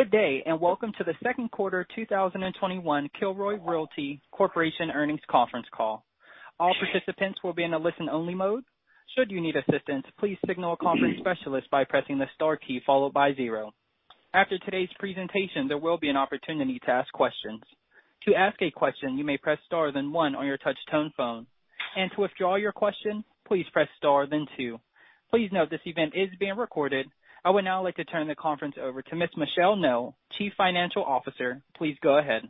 Good day and welcome to the second quarter 2021 Kilroy Realty Corporation earnings conference call. All participants will be on a listen-only mode, should you need assistance please signal conference specialists by pressing the star key followed by zero. After today's presentation there will an opportunity to ask question. To ask a question you may press star then one on your touch tone phone and to withdraw your question please press star then two. Please note that this event is being recorded. I would now like to turn the conference over to Ms. Michelle Ngo, Chief Financial Officer. Please go ahead.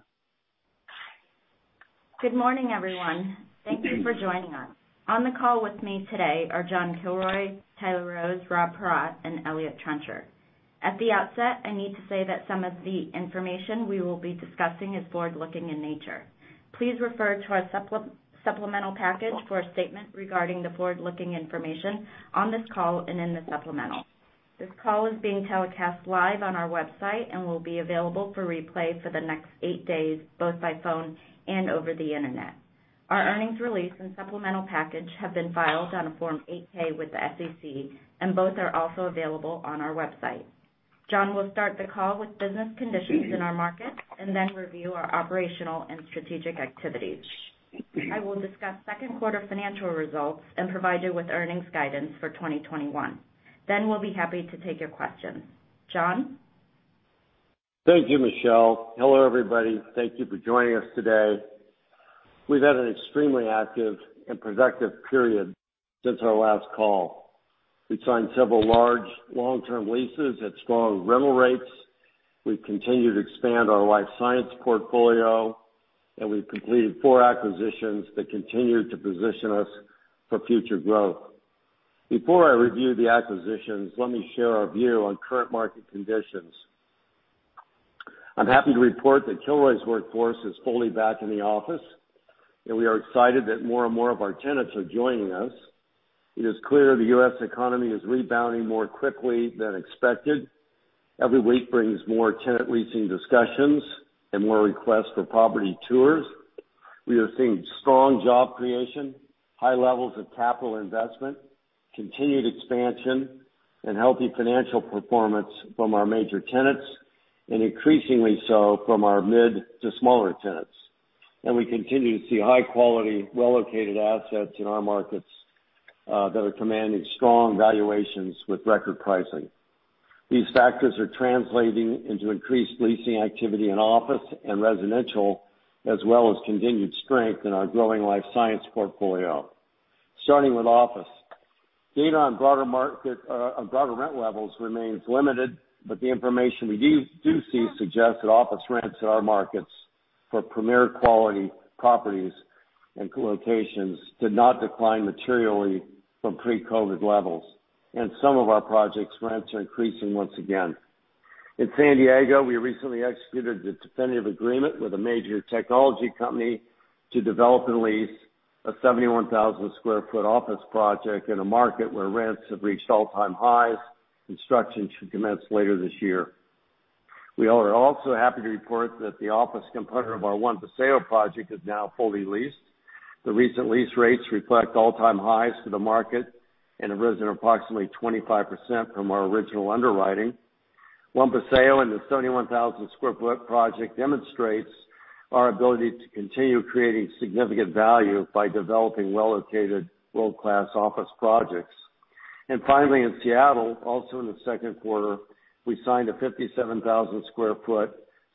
Good morning, everyone. Thank you for joining us. On the call with me today are John Kilroy, Tyler Rose, Rob Paratte, and Eliott Trencher. At the outset, I need to say that some of the information we will be discussing is forward-looking in nature. Please refer to our supplemental package for a statement regarding the forward-looking information on this call and in the supplemental. This call is being telecast live on our website and will be available for replay for the next eight days, both by phone and over the internet. Our earnings release and supplemental package have been filed on a Form 8-K with the SEC, and both are also available on our website. John will start the call with business conditions in our market and then review our operational and strategic activities. I will discuss second quarter financial results and provide you with earnings guidance for 2021. We'll be happy to take your questions. John? Thank you, Michelle. Hello, everybody. Thank you for joining us today. We've had an extremely active and productive period since our last call. We've signed several large long-term leases at strong rental rates. We've continued to expand our life science portfolio, and we've completed four acquisitions that continue to position us for future growth. Before I review the acquisitions, let me share our view on current market conditions. I'm happy to report that Kilroy's workforce is fully back in the office, and we are excited that more and more of our tenants are joining us. It is clear the U.S. economy is rebounding more quickly than expected. Every week brings more tenant leasing discussions and more requests for property tours. We are seeing strong job creation, high levels of capital investment, continued expansion, and healthy financial performance from our major tenants, and increasingly so from our mid to smaller tenants. We continue to see high quality, well-located assets in our markets, that are commanding strong valuations with record pricing. These factors are translating into increased leasing activity in office and residential, as well as continued strength in our growing life science portfolio. Starting with office. Data on broader rent levels remains limited, but the information we do see suggests that office rents in our markets for premier quality properties and locations did not decline materially from pre-COVID levels, and some of our projects' rents are increasing once again. In San Diego, we recently executed the definitive agreement with a major technology company to develop and lease a 71,000 sq ft office project in a market where rents have reached all-time highs. Construction should commence later this year. We are also happy to report that the office component of our One Paseo project is now fully leased. The recent lease rates reflect all-time highs for the market and have risen approximately 25% from our original underwriting. One Paseo and the 71,000 sq ft project demonstrates our ability to continue creating significant value by developing well-located world-class office projects. Finally, in Seattle, also in the second quarter, we signed a 57,000 sq ft,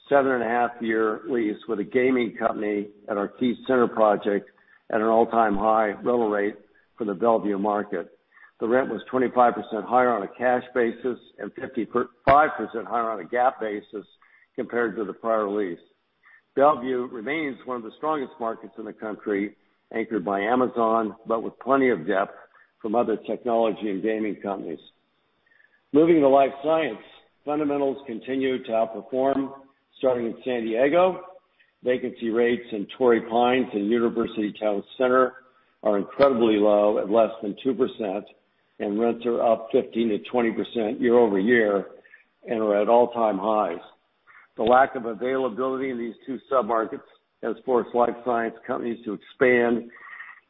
seven-and-a-half-year lease with a gaming company at our Key Center project at an all-time high rental rate for the Bellevue market. The rent was 25% higher on a cash basis and 55% higher on a GAAP basis compared to the prior lease. Bellevue remains one of the strongest markets in the country, anchored by Amazon, but with plenty of depth from other technology and gaming companies. Moving to life science. Fundamentals continue to outperform. Starting in San Diego, vacancy rates in Torrey Pines and University Town Center are incredibly low at less than 2%, and rents are up 15%-20% year-over-year and are at all-time highs. The lack of availability in these two sub-markets has forced life science companies to expand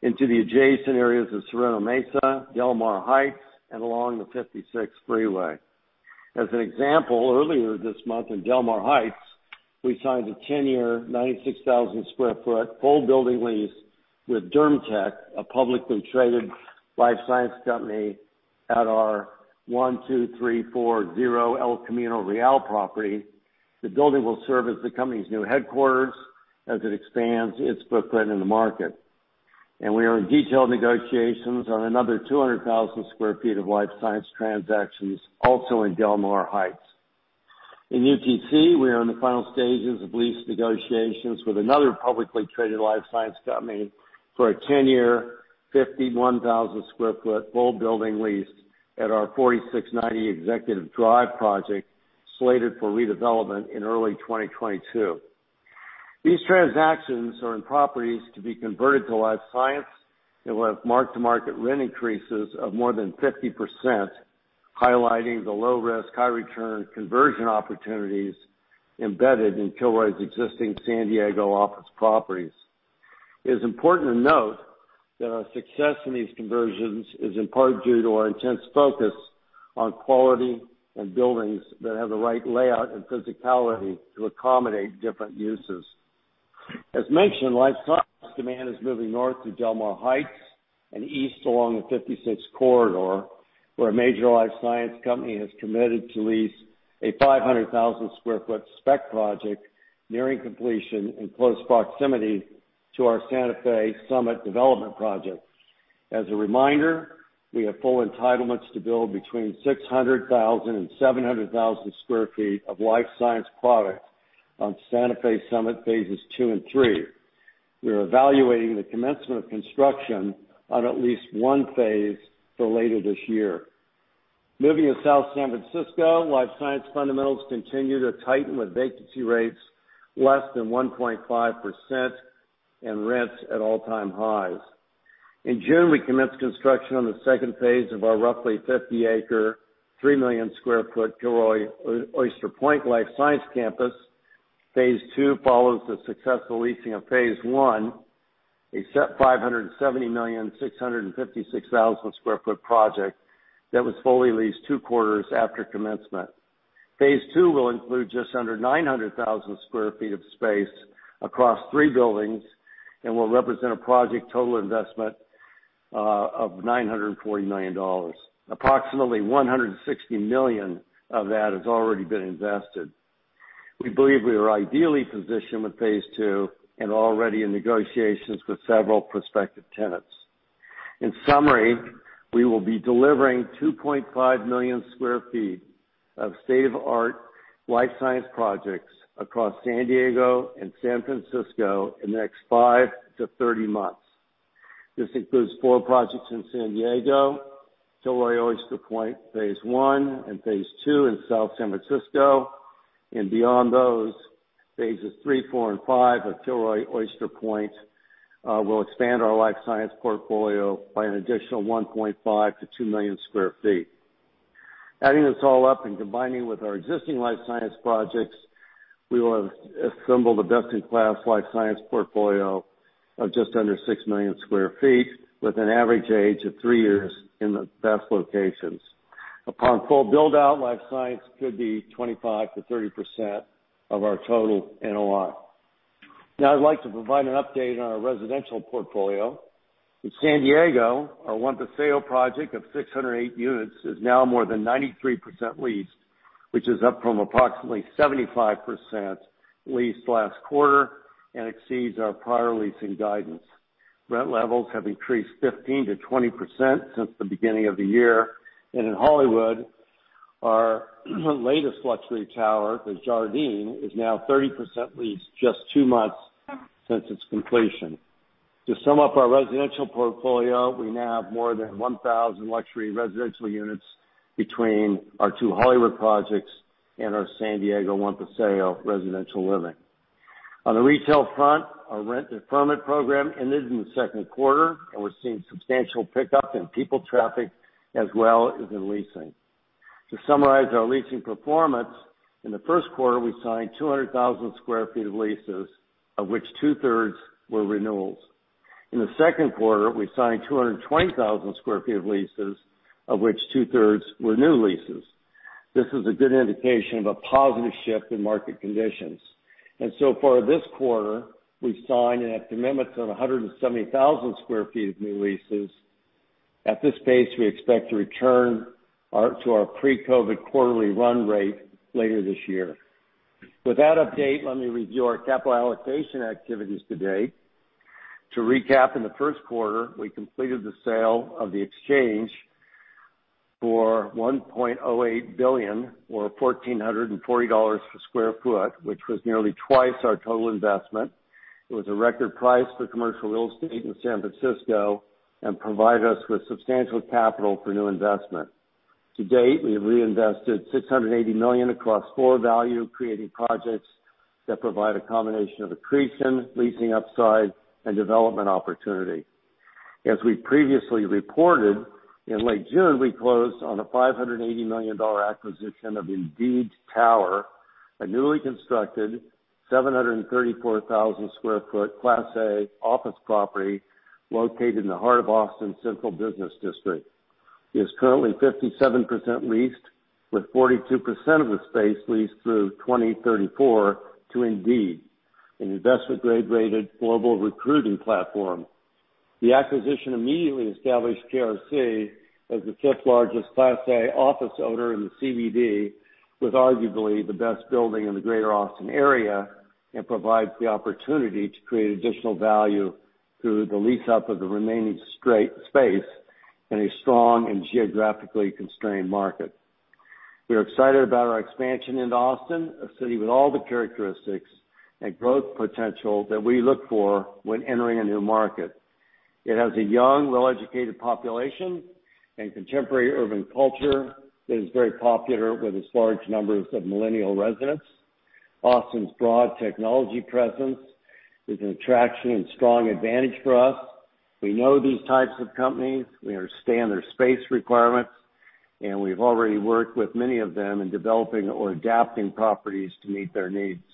into the adjacent areas of Sorrento Mesa, Del Mar Heights, and along the 56 Freeway. As an example, earlier this month in Del Mar Heights, we signed a 10-year, 96,000 sq ft full building lease with DermTech, a publicly traded life science company, at our 12340 El Camino Real property. The building will serve as the company's new headquarters as it expands its footprint in the market. We are in detailed negotiations on another 200,000 sq ft of life science transactions also in Del Mar Heights. In UTC, we are in the final stages of lease negotiations with another publicly traded life science company for a 10-year, 51,000 sq ft full building lease at our 4690 Executive Drive project, slated for redevelopment in early 2022. These transactions are in properties to be converted to life science and will have mark-to-market rent increases of more than 50%, highlighting the low risk, high return conversion opportunities embedded in Kilroy's existing San Diego office properties. It's important to note that our success in these conversions is in part due to our intense focus on quality and buildings that have the right layout and physicality to accommodate different uses. As mentioned, life science demand is moving north through Del Mar Heights and east along the 56 corridor, where a major life science company has committed to lease a 500,000 sq ft spec project nearing completion in close proximity to our Santa Fe Summit development project. As a reminder, we have full entitlements to build between 600,000 sq ft and 700,000 sq ft of life science product on Santa Fe Summit phases II and III. We are evaluating the commencement of construction on at least one phase for later this year. Moving to South San Francisco, life science fundamentals continue to tighten with vacancy rates less than 1.5% and rents at all-time highs. In June, we commenced construction on the second phase of our roughly 50 acres, 3 million sq ft Kilroy Oyster Point life science campus. Phase II follows the successful leasing of phase I, a 570,656,000 sq ft project that was fully leased two quarters after commencement. Phase II will include just under 900,000 sq ft of space across three buildings and will represent a project total investment of $940 million. Approximately $160 million of that has already been invested. We believe we are ideally positioned with phase II and already in negotiations with several prospective tenants. In summary, we will be delivering 2.5 million sq ft of state-of-art life science projects across San Diego and San Francisco in the next five to 30 months. This includes four projects in San Diego, Kilroy Oyster Point phase I and phase II in South San Francisco, and beyond those, phases III, IV, and V of Kilroy Oyster Point will expand our life science portfolio by an additional 1.5 million sq ft-2 million sq ft. Adding this all up and combining with our existing life science projects, we will have assembled a best-in-class life science portfolio of just under 6 million sq ft with an average age of three years in the best locations. Upon full build-out, life science could be 25%-30% of our total NOI. I'd like to provide an update on our residential portfolio. In San Diego, our One Paseo project of 608 units is now more than 93% leased, which is up from approximately 75% leased last quarter and exceeds our prior leasing guidance. Rent levels have increased 15%-20% since the beginning of the year. In Hollywood, our latest luxury tower, the Jardine, is now 30% leased just two months since its completion. To sum up our residential portfolio, we now have more than 1,000 luxury residential units between our two Hollywood projects and our San Diego One Paseo residential living. On the retail front, our rent deferment program ended in the second quarter, and we're seeing substantial pickup in people traffic as well as in leasing. To summarize our leasing performance, in the first quarter, we signed 200,000 sq ft of leases, of which 2/3 were renewals. In the second quarter, we signed 220,000 sq ft of leases, of which 2/3 were new leases. This is a good indication of a positive shift in market conditions. So far this quarter, we've signed a commitment of 170,000 sq ft of new leases. At this pace, we expect to return to our pre-COVID quarterly run rate later this year. With that update, let me review our capital allocation activities to date. To recap, in the first quarter, we completed the sale of The Exchange for $1.08 billion or $1,440 per sq ft, which was nearly twice our total investment. It was a record price for commercial real estate in San Francisco and provide us with substantial capital for new investment. To date, we have reinvested $680 million across four value-creating projects that provide a combination of accretion, leasing upside, and development opportunity. As we previously reported, in late June, we closed on a $580 million acquisition of Indeed Tower, a newly constructed 734,000 sq ft Class A office property located in the heart of Austin's central business district. It is currently 57% leased, with 42% of the space leased through 2034 to Indeed, an investment grade rated global recruiting platform. The acquisition immediately established KRC as the fifth largest Class A office owner in the CBD with arguably the best building in the greater Austin area and provides the opportunity to create additional value through the lease up of the remaining space in a strong and geographically constrained market. We are excited about our expansion into Austin, a city with all the characteristics and growth potential that we look for when entering a new market. It has a young, well-educated population and contemporary urban culture that is very popular with its large numbers of millennial residents. Austin's broad technology presence is an attraction and strong advantage for us. We know these types of companies. We understand their space requirements, and we've already worked with many of them in developing or adapting properties to meet their needs.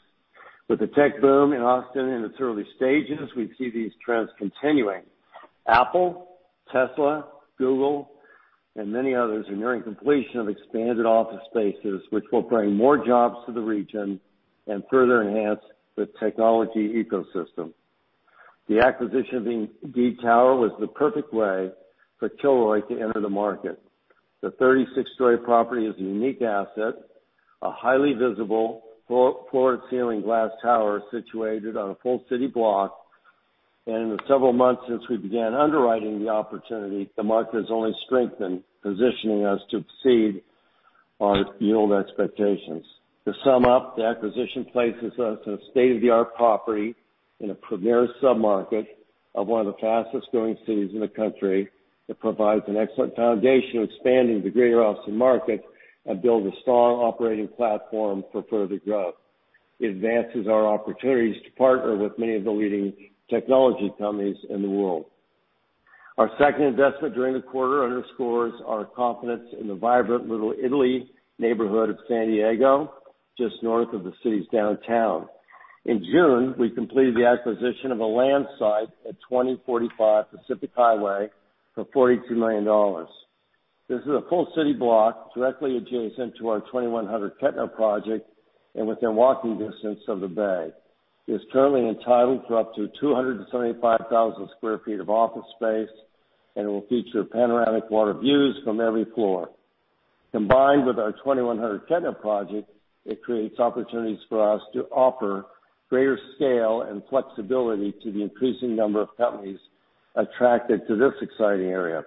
With the tech boom in Austin in its early stages, we see these trends continuing. Apple, Tesla, Google, and many others are nearing completion of expanded office spaces, which will bring more jobs to the region and further enhance the technology ecosystem. The acquisition of Indeed Tower was the perfect way for Kilroy to enter the market. The 36-story property is a unique asset, a highly visible floor-to-ceiling glass tower situated on a full city block. In the several months since we began underwriting the opportunity, the market has only strengthened, positioning us to exceed our yield expectations. To sum up, the acquisition places us in a state-of-the-art property in a premier submarket of one of the fastest-growing cities in the country. It provides an excellent foundation, expanding the greater Austin market and builds a strong operating platform for further growth. It advances our opportunities to partner with many of the leading technology companies in the world. Our second investment during the quarter underscores our confidence in the vibrant Little Italy neighborhood of San Diego, just north of the city's downtown. In June, we completed the acquisition of a land site at 2045 Pacific Highway for $42 million. This is a full city block directly adjacent to our 2100 Kettner project and within walking distance of the bay. It is currently entitled for up to 275,000 sq ft of office space and will feature panoramic water views from every floor. Combined with our 2100 Kettner project, it creates opportunities for us to offer greater scale and flexibility to the increasing number of companies attracted to this exciting area.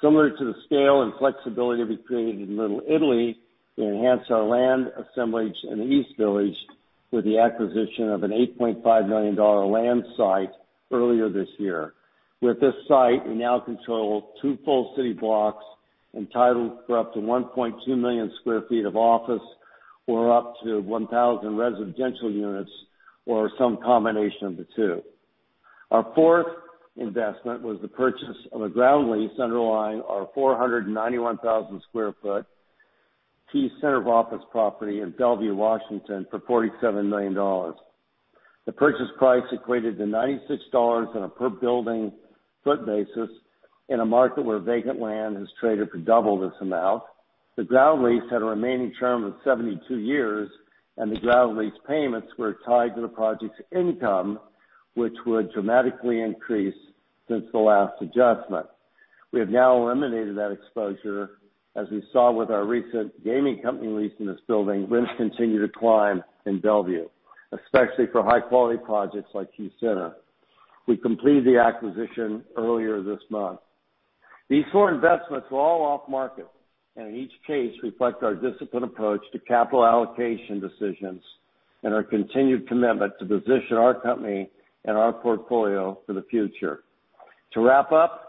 Similar to the scale and flexibility we've created in Little Italy, we enhanced our land assemblage in East Village with the acquisition of an $8.5 million land site earlier this year. With this site, we now control two full city blocks entitled for up to 1.2 million sq ft of office or up to 1,000 residential units or some combination of the two. Our fourth investment was the purchase of a ground lease underlying our 491,000 sq ft Key Center office property in Bellevue, Washington for $47 million. The purchase price equated to $96 on a per building foot basis in a market where vacant land has traded for double this amount. The ground lease had a remaining term of 72 years, and the ground lease payments were tied to the project's income, which would dramatically increase since the last adjustment. We have now eliminated that exposure. As we saw with our recent gaming company lease in this building, rents continue to climb in Bellevue, especially for high-quality projects like Key Center. We completed the acquisition earlier this month. These four investments were all off-market, and in each case, reflect our disciplined approach to capital allocation decisions and our continued commitment to position our company and our portfolio for the future. To wrap up,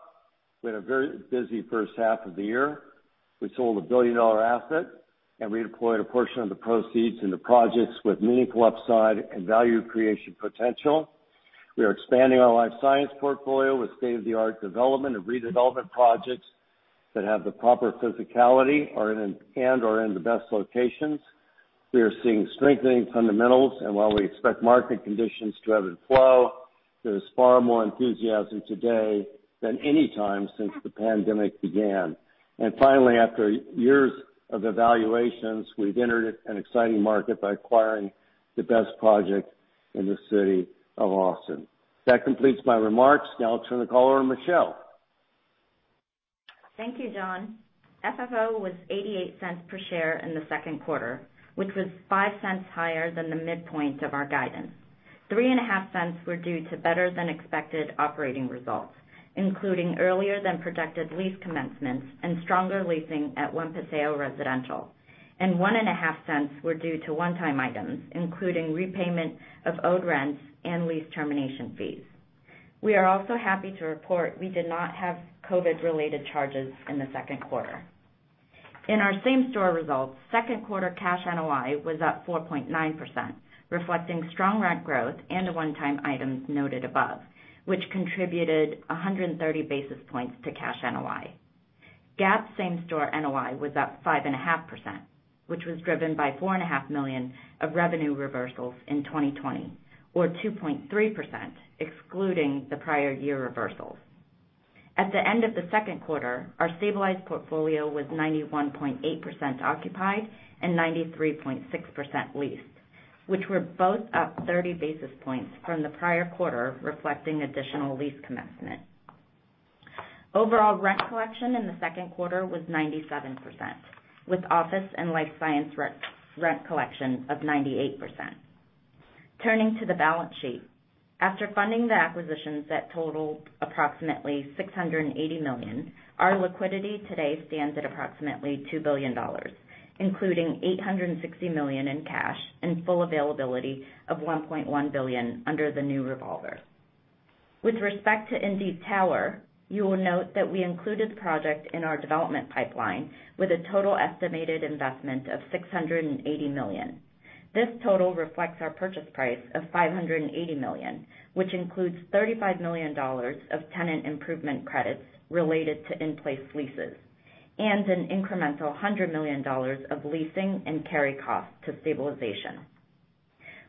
we had a very busy first half of the year. We sold a billion-dollar asset and redeployed a portion of the proceeds into projects with meaningful upside and value creation potential. We are expanding our life science portfolio with state-of-the-art development and redevelopment projects that have the proper physicality and are in the best locations. While we expect market conditions to ebb and flow, there is far more enthusiasm today than any time since the pandemic began. Finally, after years of evaluations, we've entered an exciting market by acquiring the best project in the city of Austin. That completes my remarks. Now I'll turn the call over to Michelle. Thank you, John. FFO was $0.88 per share in the second quarter, which was $0.05 higher than the midpoint of our guidance. $0.035 were due to better-than-expected operating results, including earlier than projected lease commencements and stronger leasing at One Paseo residential. $0.015 were due to one-time items, including repayment of owed rents and lease termination fees. We are also happy to report we did not have COVID-related charges in the second quarter. In our same-store results, second quarter cash NOI was up 4.9%, reflecting strong rent growth and the one-time items noted above, which contributed 130 basis points to cash NOI. GAAP same-store NOI was up 5.5%, which was driven by $4.5 million of revenue reversals in 2020 or 2.3%, excluding the prior year reversals. At the end of the second quarter, our stabilized portfolio was 91.8% occupied and 93.6% leased, which were both up 30 basis points from the prior quarter, reflecting additional lease commencement. Overall rent collection in the second quarter was 97%, with office and life science rent collection of 98%. Turning to the balance sheet. After funding the acquisitions that totaled approximately $680 million, our liquidity today stands at approximately $2 billion, including $860 million in cash and full availability of $1.1 billion under the new revolver. With respect to Indeed Tower, you will note that we included the project in our development pipeline with a total estimated investment of $680 million. This total reflects our purchase price of $580 million, which includes $35 million of tenant improvement credits related to in-place leases and an incremental $100 million of leasing and carry costs to stabilization.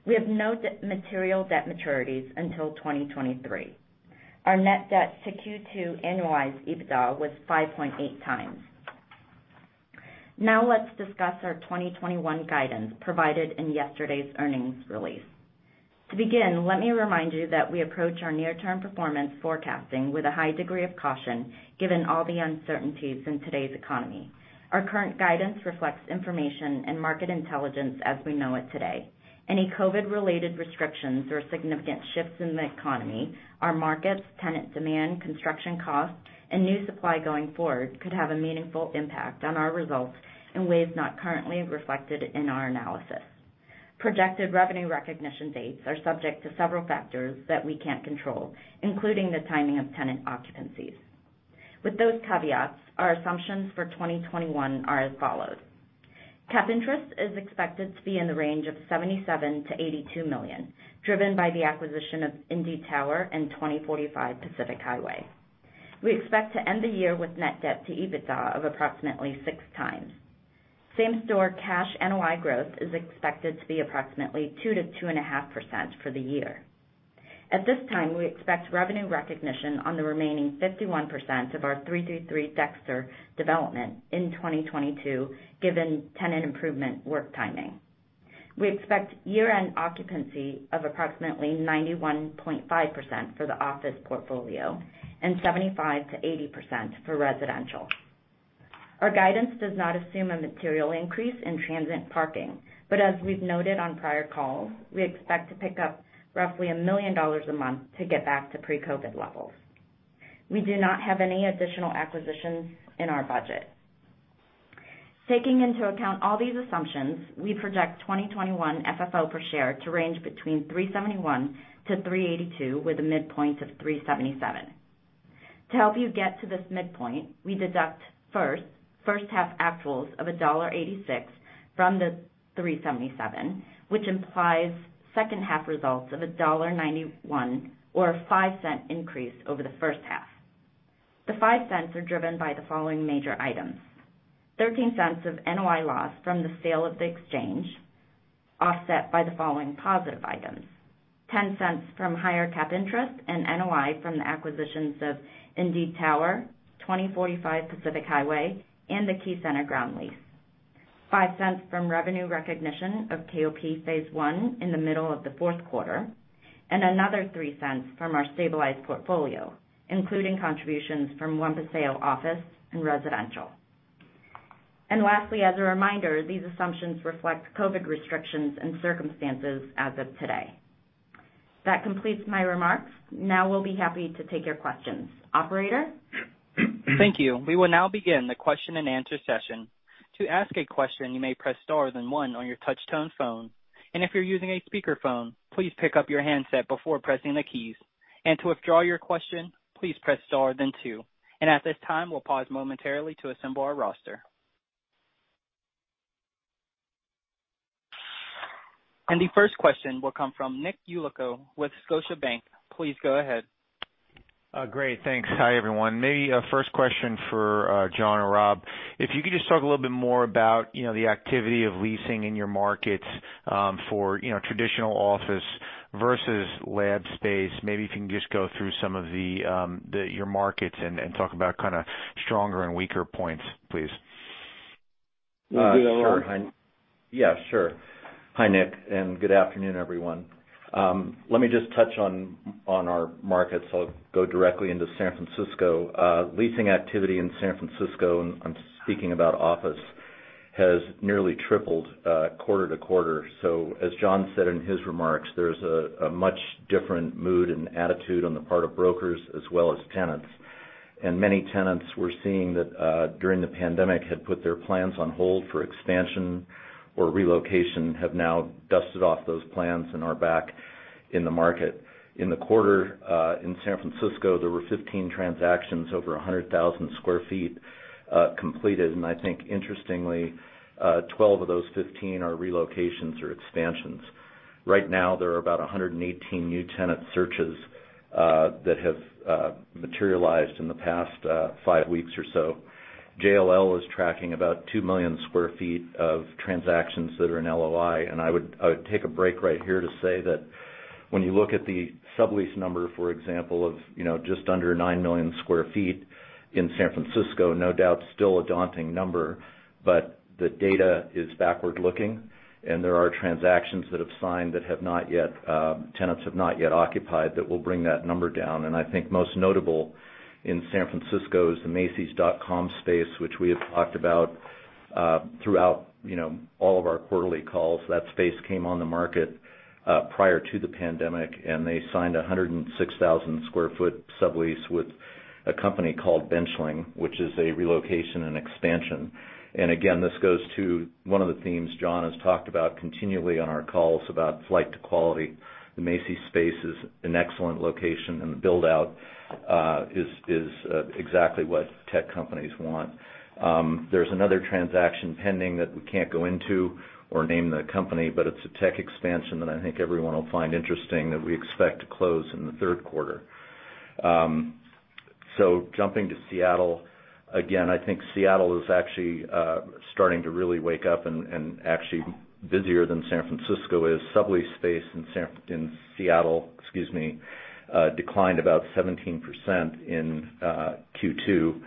We have no material debt maturities until 2023. Our net debt to Q2 annualized EBITDA was 5.8x. Let's discuss our 2021 guidance provided in yesterday's earnings release. To begin, let me remind you that we approach our near-term performance forecasting with a high degree of caution, given all the uncertainties in today's economy. Our current guidance reflects information and market intelligence as we know it today. Any COVID-related restrictions or significant shifts in the economy, our markets, tenant demand, construction costs, and new supply going forward could have a meaningful impact on our results in ways not currently reflected in our analysis. Projected revenue recognition dates are subject to several factors that we can't control, including the timing of tenant occupancies. With those caveats, our assumptions for 2021 are as follows. Cap interest is expected to be in the range of $77 million-$82 million, driven by the acquisition of Indeed Tower and 2045 Pacific Highway. We expect to end the year with net debt to EBITDA of approximately 6x. Same-store cash NOI growth is expected to be approximately 2%-2.5% for the year. At this time, we expect revenue recognition on the remaining 51% of our 333 Dexter development in 2022, given tenant improvement work timing. We expect year-end occupancy of approximately 91.5% for the office portfolio and 75%-80% for residential. Our guidance does not assume a material increase in transient parking, but as we've noted on prior calls, we expect to pick up roughly $1 million a month to get back to pre-COVID levels. We do not have any additional acquisitions in our budget. Taking into account all these assumptions, we project 2021 FFO per share to range between $3.71-$3.82, with a midpoint of $3.77. To help you get to this midpoint, we deduct first-half actuals of $1.86 from the $3.77, which implies second half results of $1.91 or a $0.05 increase over the first half. The $0.05 are driven by the following major items: $0.13 of NOI loss from the sale of the Exchange, offset by the following positive items. $0.10 from higher capitalized interest and NOI from the acquisitions of Indeed Tower, 2045 Pacific Highway, and the Key Center ground lease. $0.05 from revenue recognition of KOP phase I in the middle of the fourth quarter, and another $0.03 from our stabilized portfolio, including contributions from One Paseo office and residential. Lastly, as a reminder, these assumptions reflect COVID restrictions and circumstances as of today. That completes my remarks. We'll be happy to take your questions. Operator? Thank you. We will now begin the question-and-answer session. To ask a question, you may press star then one on your touch tone phone. If you're using a speakerphone, please pick up your handset before pressing the keys. To withdraw your question, please press star then two. At this time, we'll pause momentarily to assemble our roster. The first question will come from Nick Yulico with Scotiabank. Please go ahead. Great. Thanks. Hi, everyone. Maybe a first question for John or Rob. If you could just talk a little bit more about the activity of leasing in your markets for traditional office versus lab space. Maybe if you can just go through some of your markets and talk about kind of stronger and weaker points, please. You want to do that one? Yeah, sure. Hi, Nick. Good afternoon, everyone. Let me just touch on our markets. I'll go directly into San Francisco. Leasing activity in San Francisco, I'm speaking about office, has nearly tripled quarter-to-quarter. As John said in his remarks, there's a much different mood and attitude on the part of brokers as well as tenants. Many tenants we're seeing that during the pandemic had put their plans on hold for expansion or relocation, have now dusted off those plans and are back in the market. In the quarter in San Francisco, there were 15 transactions over 100,000 sq ft completed. I think interestingly, 12 of those 15 are relocations or expansions. Right now, there are about 118 new tenant searches that have materialized in the past five weeks or so. JLL is tracking about 2 million sq ft of transactions that are in LOI. I would take a break right here to say that when you look at the sublease number, for example, of just under 9 million sq ft in San Francisco, no doubt still a daunting number, but the data is backward-looking, and there are transactions that have signed that tenants have not yet occupied that will bring that number down. I think most notable in San Francisco is the Macys.com space, which we have talked about throughout all of our quarterly calls. That space came on the market prior to the pandemic, and they signed 106,000 sq ft sublease with a company called Benchling, which is a relocation and expansion. Again, this goes to one of the themes John has talked about continually on our calls about flight to quality. The Macy's space is an excellent location, and the build-out is exactly what tech companies want. There's another transaction pending that we can't go into or name the company, but it's a tech expansion that I think everyone will find interesting that we expect to close in the third quarter. Jumping to Seattle, again, I think Seattle is actually starting to really wake up and actually busier than San Francisco is. Sublease space in Seattle declined about 17% in Q2.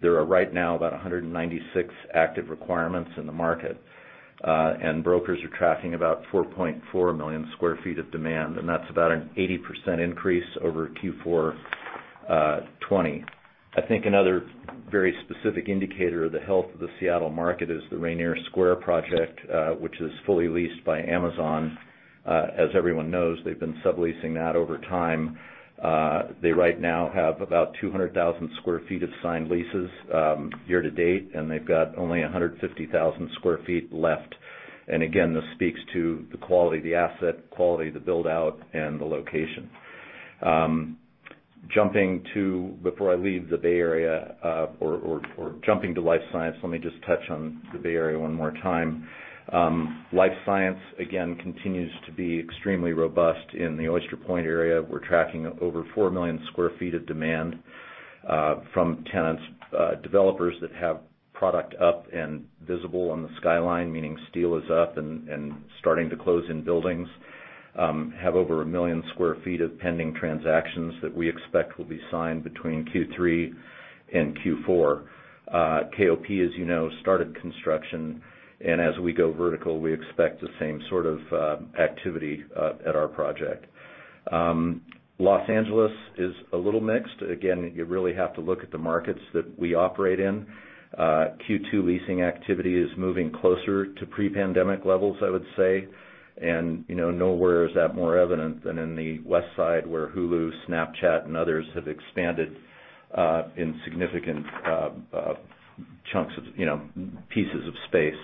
There are right now about 196 active requirements in the market. Brokers are tracking about 4.4 million sq ft of demand, and that's about an 80% increase over Q4 2020. I think another very specific indicator of the health of the Seattle market is the Rainier Square project, which is fully leased by Amazon. As everyone knows, they've been subleasing that over time. They right now have about 200,000 sq ft of signed leases year to date, and they've got only 150,000 sq ft left. Again, this speaks to the quality of the asset, quality of the build out, and the location. Before I leave the Bay Area or jumping to life science, let me just touch on the Bay Area one more time. Life science, again, continues to be extremely robust in the Oyster Point area. We're tracking over 4 million sq ft of demand from tenants. Developers that have product up and visible on the skyline, meaning steel is up and starting to close in buildings, have over 1 million sq ft of pending transactions that we expect will be signed between Q3 and Q4. KOP, as you know, started construction, and as we go vertical, we expect the same sort of activity at our project. Los Angeles is a little mixed. Again, you really have to look at the markets that we operate in. Q2 leasing activity is moving closer to pre-pandemic levels, I would say. Nowhere is that more evident than in the Westside, where Hulu, Snapchat, and others have expanded in significant chunks of pieces of space.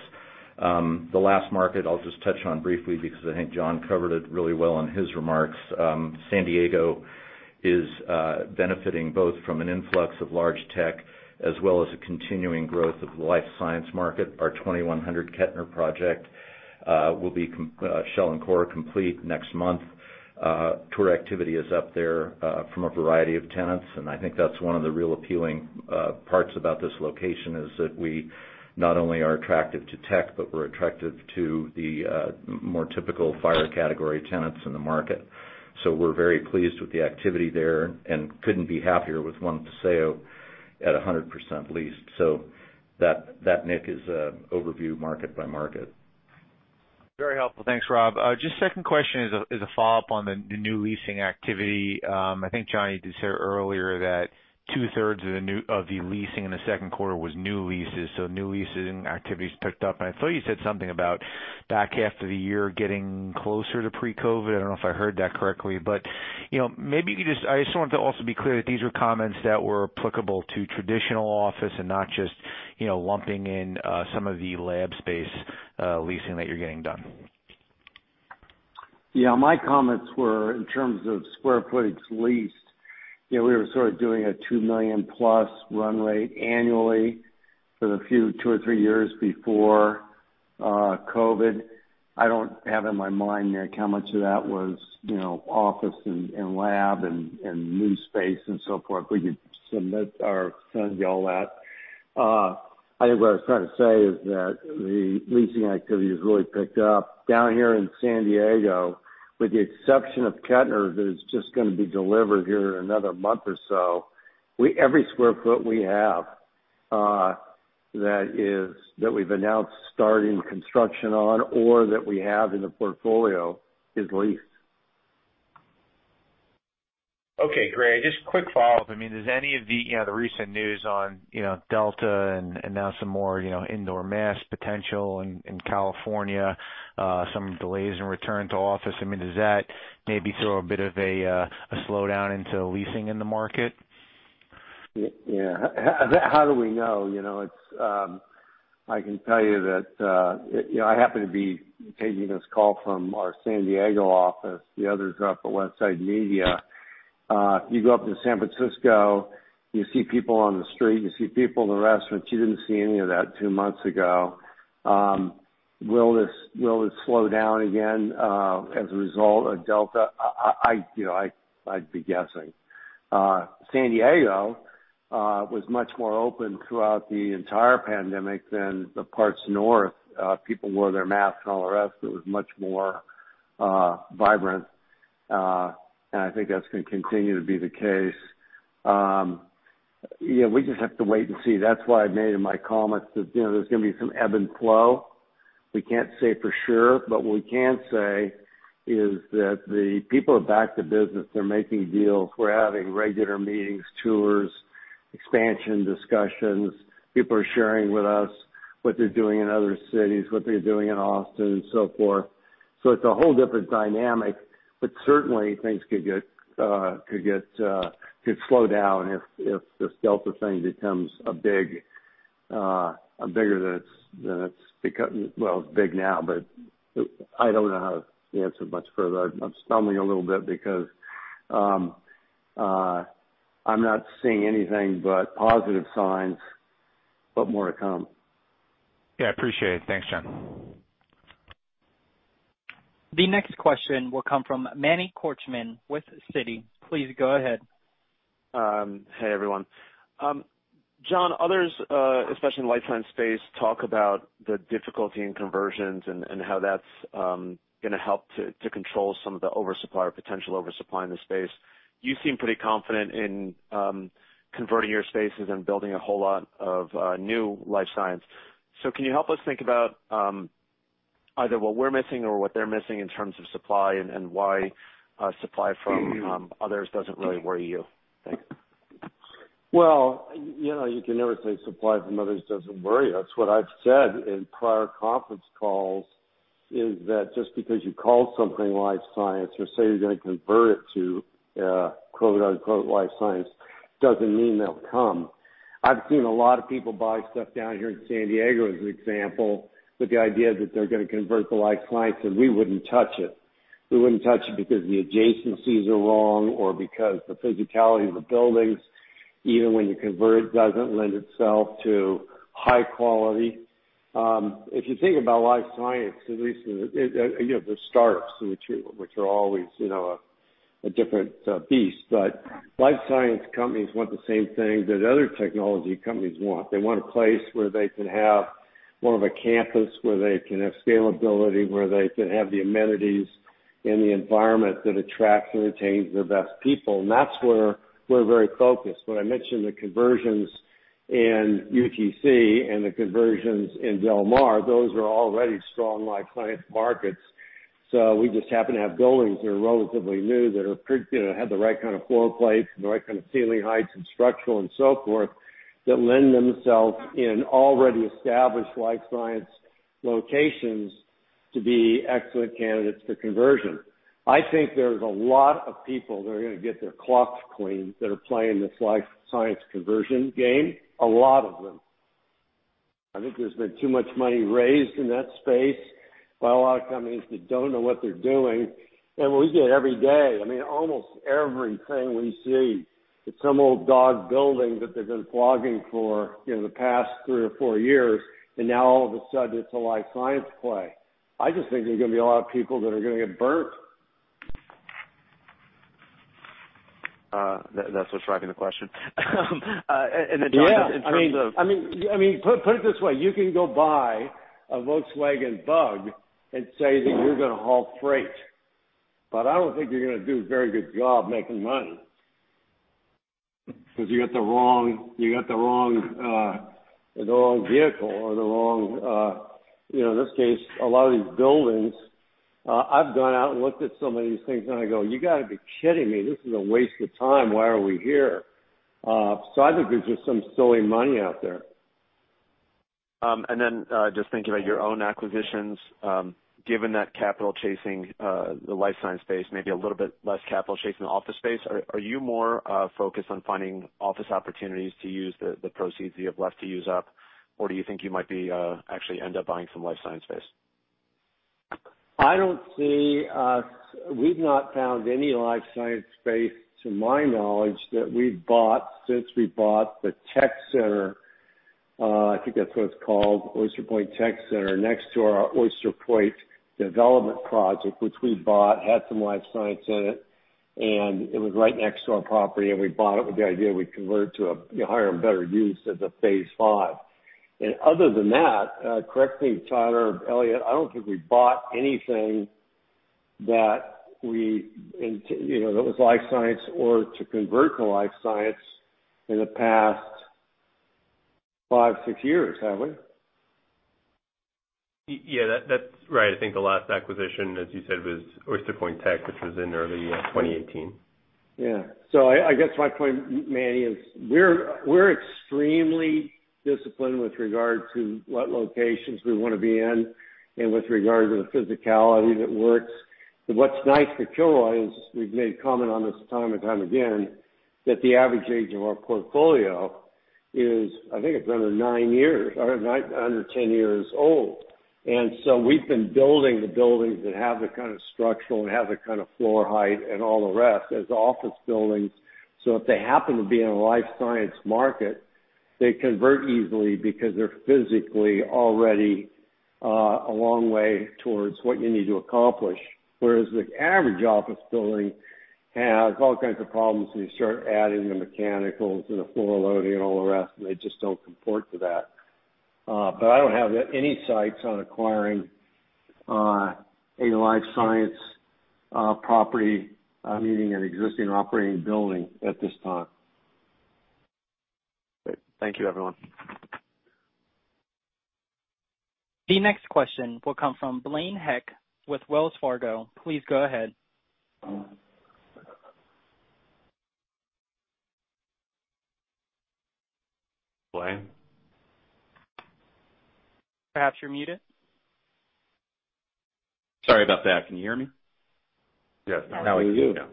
The last market I'll just touch on briefly because I think John covered it really well in his remarks. San Diego is benefiting both from an influx of large tech as well as the continuing growth of the life science market. Our 2100 Kettner project will be shell and core complete next month. Tour activity is up there from a variety of tenants, and I think that's one of the real appealing parts about this location, is that we not only are attractive to tech, but we're attractive to the more typical FIRE category tenants in the market. We're very pleased with the activity there and couldn't be happier with One Paseo at 100% leased. That, Nick, is an overview market-by-market. Very helpful. Thanks, Rob. Just second question is a follow-up on the new leasing activity. I think John, you did say earlier that 2/3 of the leasing in the second quarter was new leases, so new leasing activities picked up. I thought you said something about back half of the year getting closer to pre-COVID. I don't know if I heard that correctly. I just wanted to also be clear that these were comments that were applicable to traditional office and not just lumping in some of the lab space leasing that you're getting done. Yeah. My comments were in terms of square footage leased. We were sort of doing a $2 million-plus run rate annually for the two or three years before COVID. I don't have in my mind, Nick, how much of that was office and lab and new space and so forth. We could submit or send you all that. I think what I was trying to say is that the leasing activity has really picked up. Down here in San Diego, with the exception of Kettner, that is just going to be delivered here in another month or so, every square foot we have that we've announced starting construction on, or that we have in the portfolio, is leased. Okay, great. Just quick follow-up. Does any of the recent news on Delta and now some more indoor mask potential in California, some delays in return to office, does that maybe throw a bit of a slowdown into leasing in the market? Yeah. How do we know? I can tell you that I happen to be taking this call from our San Diego office. The others are up at Westside Media. If you go up to San Francisco, you see people on the street, you see people in restaurants. You didn't see any of that two months ago. Will this slow down again as a result of Delta? I'd be guessing. San Diego was much more open throughout the entire pandemic than the parts north. People wore their masks and all the rest. It was much more vibrant. I think that's going to continue to be the case. We just have to wait and see. That's why I made in my comments that there's going to be some ebb and flow. We can't say for sure, but what we can say is that the people are back to business. They're making deals. We're having regular meetings, tours, expansion discussions. People are sharing with us what they're doing in other cities, what they're doing in Austin, and so forth. It's a whole different dynamic, certainly things could slow down if this Delta variant becomes bigger than it's become. Well, it's big now, I don't know how to answer much further. I'm stumbling a little bit because I'm not seeing anything but positive signs, more to come. Yeah, I appreciate it. Thanks, John. The next question will come from Manny Korchman with Citi. Please go ahead. Hey, everyone. John, others, especially in the life science space, talk about the difficulty in conversions and how that's going to help to control some of the oversupply or potential oversupply in the space. You seem pretty confident in converting your spaces and building a whole lot of new life science. Can you help us think about either what we're missing or what they're missing in terms of supply, and why supply from others doesn't really worry you? Thanks. You can never say supply from others doesn't worry us. What I've said in prior conference calls is that just because you call something life science or say you're going to convert it to a "life science," doesn't mean they'll come. I've seen a lot of people buy stuff down here in San Diego, as an example, with the idea that they're going to convert to life science, and we wouldn't touch it. We wouldn't touch it because the adjacencies are wrong or because the physicality of the buildings, even when you convert it, doesn't lend itself to high quality. If you think about life science, at least, there are startups, which are always a different beast. Life science companies want the same thing that other technology companies want. They want a place where they can have more of a campus, where they can have scalability, where they can have the amenities and the environment that attracts and retains their best people. That's where we're very focused. When I mentioned the conversions in UTC and the conversions in Del Mar, those are already strong life science markets. We just happen to have buildings that are relatively new, that have the right kind of floor plates and the right kind of ceiling heights and structural and so forth, that lend themselves in already established life science locations to be excellent candidates for conversion. I think there's a lot of people that are going to get their clocks cleaned that are playing this life science conversion game, a lot of them. I think there's been too much money raised in that space by a lot of companies that don't know what they're doing. We see it every day. Almost everything we see, it's some old dog building that they've been flogging for the past three or four years, now all of a sudden, it's a life science play. I just think there are going to be a lot of people that are going to get burnt. That's what's driving the question. John. Yeah. Put it this way, you can go buy a Volkswagen Bug and say that you're going to haul freight. I don't think you're going to do a very good job making money, because you got the wrong vehicle or in this case, a lot of these buildings. I've gone out and looked at some of these things, and I go, "You got to be kidding me. This is a waste of time. Why are we here?" I think there's just some silly money out there. Just thinking about your own acquisitions, given that capital chasing the life science space, maybe a little bit less capital chasing the office space, are you more focused on finding office opportunities to use the proceeds that you have left to use up, or do you think you might actually end up buying some life science space? We've not found any life science space, to my knowledge, that we've bought since we bought the Tech Center. I think that's what it's called, Oyster Point Tech Center, next to our Oyster Point development project, which we bought, had some life science in it, and it was right next to our property, and we bought it with the idea we'd convert it to a higher and better use as a phase V. Other than that, correct me if Tyler or Eliott, I don't think we bought anything that was life science or to convert to life science in the past five, six years, have we? Yeah, that's right. I think the last acquisition, as you said, was Oyster Point Tech, which was in early 2018. Yeah. I guess my point, Manny, is we're extremely disciplined with regard to what locations we want to be in and with regard to the physicality that works. What's nice for Kilroy is, we've made comment on this time and time again, that the average age of our portfolio is, I think it's under 10 years old. We've been building the buildings that have the kind of structural and have the kind of floor height and all the rest as office buildings. If they happen to be in a life science market, they convert easily because they're physically already a long way towards what you need to accomplish. Whereas the average office building has all kinds of problems, and you start adding the mechanicals and the floor loading and all the rest, and they just don't comport to that. I don't have any sights on acquiring a life science property, meaning an existing operating building, at this time. Great. Thank you, everyone. The next question will come from Blaine Heck with Wells Fargo. Please go ahead. Blaine? Perhaps you're muted. Sorry about that. Can you hear me? Yes. Now we can. Now we can.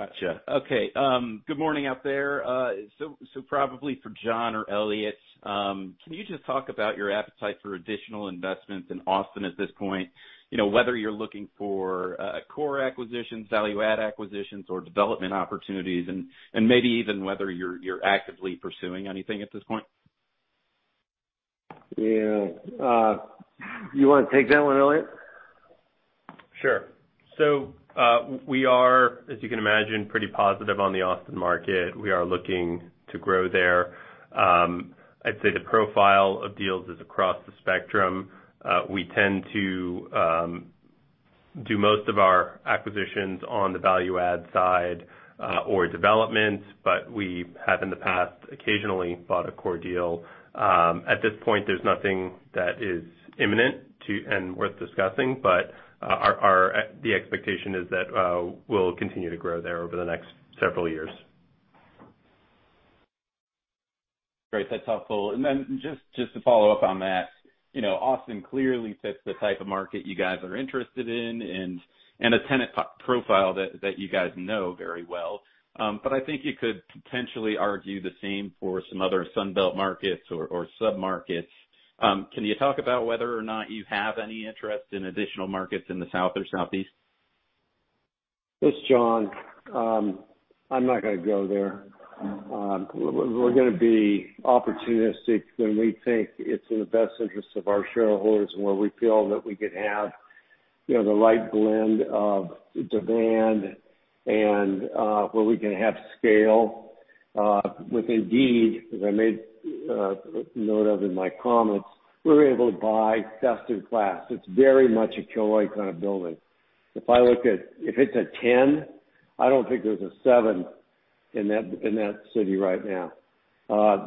Gotcha. Okay. Good morning out there. Probably for John or Eliott, can you just talk about your appetite for additional investments in Austin at this point? Whether you're looking for core acquisitions, value add acquisitions, or development opportunities, and maybe even whether you're actively pursuing anything at this point. Yeah. You want to take that one, Eliott? Sure. We are, as you can imagine, pretty positive on the Austin market. We are looking to grow there. I'd say the profile of deals is across the spectrum. We tend to do most of our acquisitions on the Value-Add side or developments, but we have in the past occasionally bought a core deal. At this point, there's nothing that is imminent and worth discussing, but the expectation is that we'll continue to grow there over the next several years. Great. That's helpful. Then just to follow up on that, Austin clearly fits the type of market you guys are interested in, and a tenant profile that you guys know very well. I think you could potentially argue the same for some other Sun Belt markets or sub-markets. Can you talk about whether or not you have any interest in additional markets in the South or Southeast? This is John. I'm not going to go there. We're going to be opportunistic when we think it's in the best interest of our shareholders and where we feel that we could have the right blend of demand and where we can have scale. With Indeed, as I made note of in my comments, we were able to buy best in class. It's very much a Kilroy kind of building. If it's a 10, I don't think there's a seven in that city right now.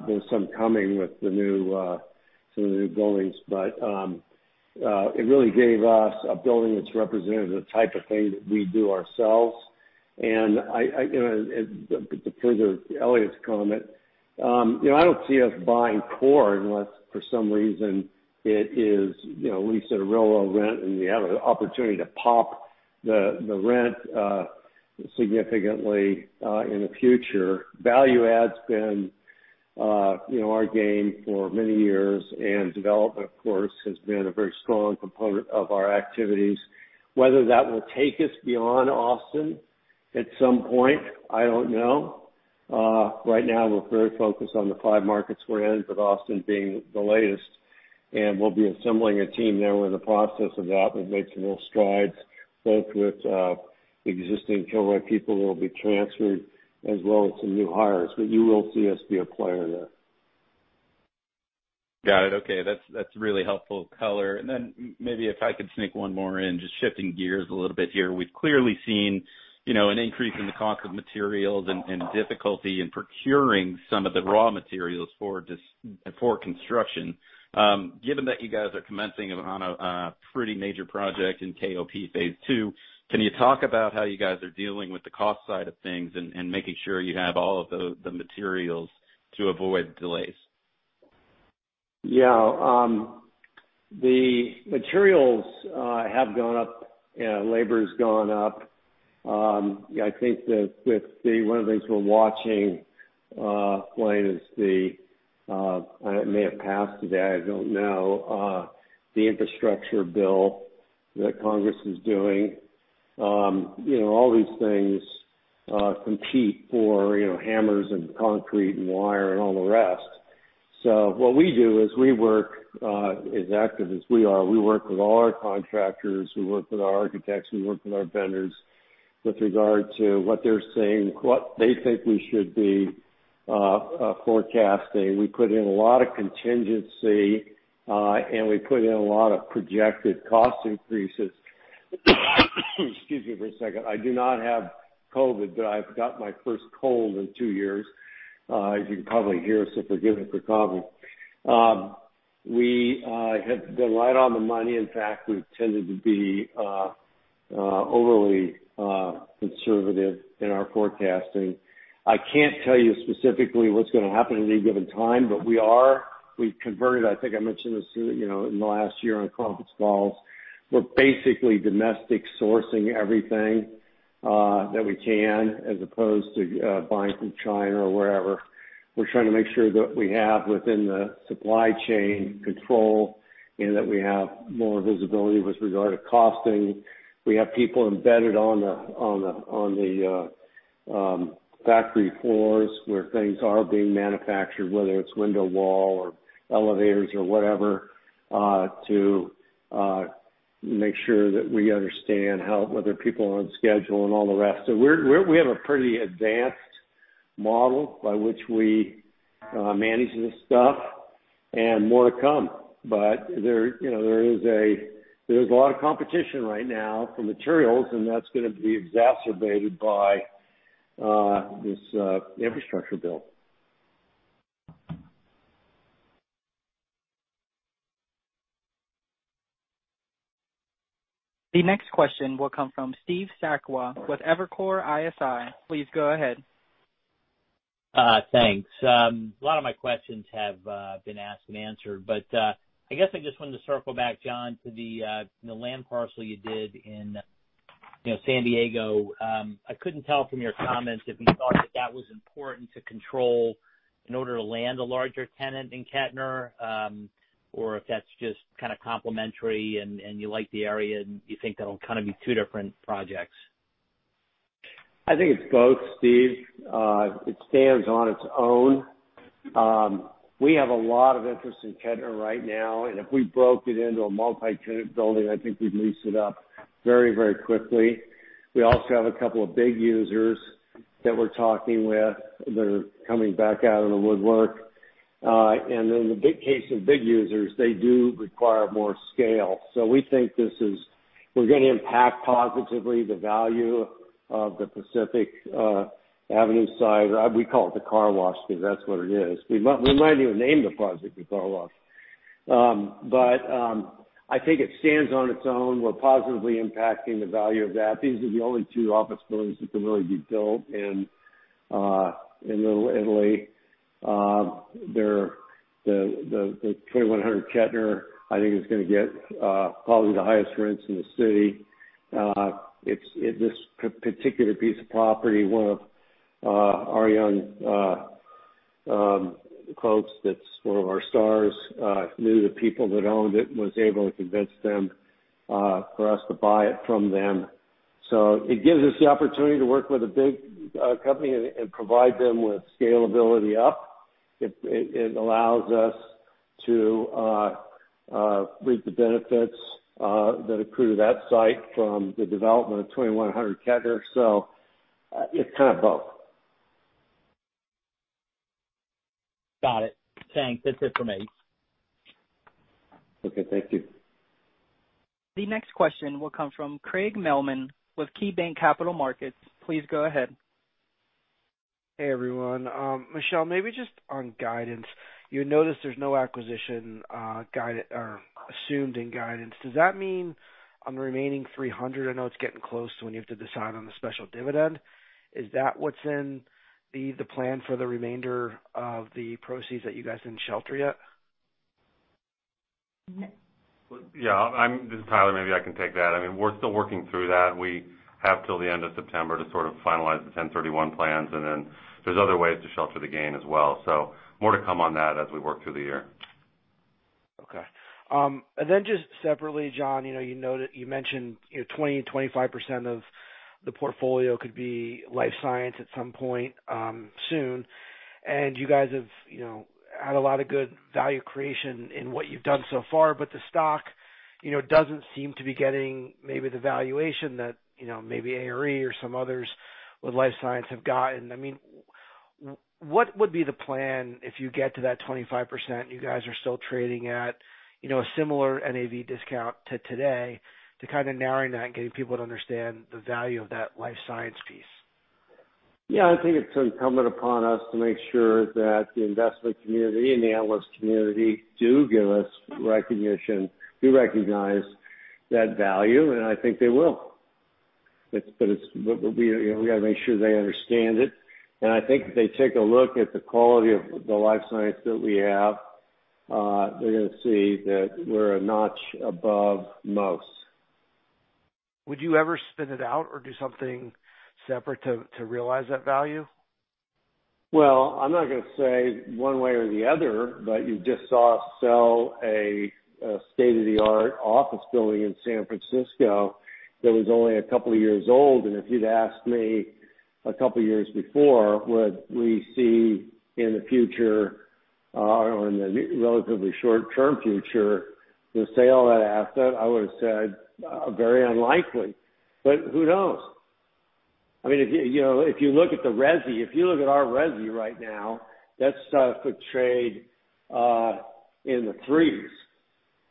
There's some coming with some of the new buildings. It really gave us a building that's representative of the type of thing that we do ourselves. To further Eliott's comment, I don't see us buying core unless for some reason it is leased at a real low rent, and we have an opportunity to pop the rent significantly in the future. Value-Add's been our game for many years, and development, of course, has been a very strong component of our activities. Whether that will take us beyond Austin at some point, I don't know. Right now, we're very focused on the five markets we're in, with Austin being the latest, and we'll be assembling a team there. We're in the process of that. We've made some real strides, both with existing Kilroy people who will be transferred, as well as some new hires. You will see us be a player there. Got it. Okay. That's really helpful color. Maybe if I could sneak one more in, just shifting gears a little bit here. We've clearly seen an increase in the cost of materials and difficulty in procuring some of the raw materials for construction. Given that you guys are commencing on a pretty major project in KOP phase II, can you talk about how you guys are dealing with the cost side of things and making sure you have all of the materials to avoid delays? The materials have gone up, and labor's gone up. I think that one of the things we're watching, Blaine, is the, and it may have passed today, I don't know, the infrastructure bill that Congress is doing. All these things compete for hammers and concrete and wire and all the rest. What we do is, as active as we are, we work with all our contractors, we work with our architects, we work with our vendors with regard to what they're saying, what they think we should be forecasting. We put in a lot of contingency, and we put in a lot of projected cost increases. Excuse me for a second. I do not have COVID, but I've got my first cold in two years, as you can probably hear, so forgive me for coughing. We have been right on the money. In fact, we've tended to be overly conservative in our forecasting. I can't tell you specifically what's going to happen at any given time, but we've converted, I think I mentioned this in the last year on conference calls. We're basically domestic sourcing everything that we can, as opposed to buying from China or wherever. We're trying to make sure that we have within the supply chain control and that we have more visibility with regard to costing. We have people embedded on the factory floors where things are being manufactured, whether it's window wall or elevators or whatever, to make sure that we understand whether people are on schedule and all the rest. We have a pretty advanced model by which we manage this stuff, and more to come. There is a lot of competition right now for materials, and that's going to be exacerbated by this infrastructure bill. The next question will come from Steve Sakwa with Evercore ISI. Please go ahead. Thanks. A lot of my questions have been asked and answered. I guess I just wanted to circle back, John, to the land parcel you did in San Diego. I couldn't tell from your comments if you thought that that was important to control in order to land a larger tenant in Kettner, or if that's just kind of complementary and you like the area, and you think that'll kind of be two different projects. I think it's both, Steve. It stands on its own. We have a lot of interest in Kettner right now. If we broke it into a multi-tenant building, I think we'd lease it up very quickly. We also have a couple of big users that we're talking with that are coming back out of the woodwork. In the big case of big users, they do require more scale. We think we're going to impact positively the value of the Pacific Avenue side. We call it the car wash because that's what it is. We might even name the project The Car Wash. I think it stands on its own. We're positively impacting the value of that. These are the only two office buildings that can really be built in Little Italy. The 2100 Kettner, I think is going to get probably the highest rents in the city. This particular piece of property, one of our that's one of our stars, knew the people that owned it and was able to convince them for us to buy it from them. It gives us the opportunity to work with a big company and provide them with scalability up. It allows us to reap the benefits that accrue to that site from the development of 2100 Kettner. It's kind of both. Got it. Thanks. That's it for me. Okay. Thank you. The next question will come from Craig Mailman with KeyBanc Capital Markets. Please go ahead. Hey, everyone. Michelle, maybe just on guidance, you'll notice there's no acquisition assumed in guidance. Does that mean on the remaining $300, I know it's getting close to when you have to decide on the special dividend? Is that what's in the plan for the remainder of the proceeds that you guys didn't shelter yet? Yeah. This is Tyler. Maybe I can take that. We're still working through that. We have till the end of September to sort of finalize the 1031 plans. Then there's other ways to shelter the gain as well. More to come on that as we work through the year. Okay. Just separately, John, you mentioned 20%-25% of the portfolio could be life science at some point soon. You guys have had a lot of good value creation in what you've done so far, but the stock doesn't seem to be getting maybe the valuation that maybe ARE or some others with life science have gotten. What would be the plan if you get to that 25%, you guys are still trading at a similar NAV discount to today to kind of narrowing that and getting people to understand the value of that life science piece? Yeah. I think it's incumbent upon us to make sure that the investment community and the analyst community do give us recognition, do recognize that value. I think they will. We got to make sure they understand it. I think if they take a look at the quality of the life science that we have, they're going to see that we're a notch above most. Would you ever spin it out or do something separate to realize that value? Well, I'm not going to say one way or the other, but you just saw us sell a state-of-the-art office building in San Francisco that was only a couple of years old. If you'd asked me a couple of years before, would we see in the future, or in the relatively short-term future, to sell that asset, I would've said very unlikely. Who knows? If you look at the resi, if you look at our resi right now, that stuff would trade in the 3%s.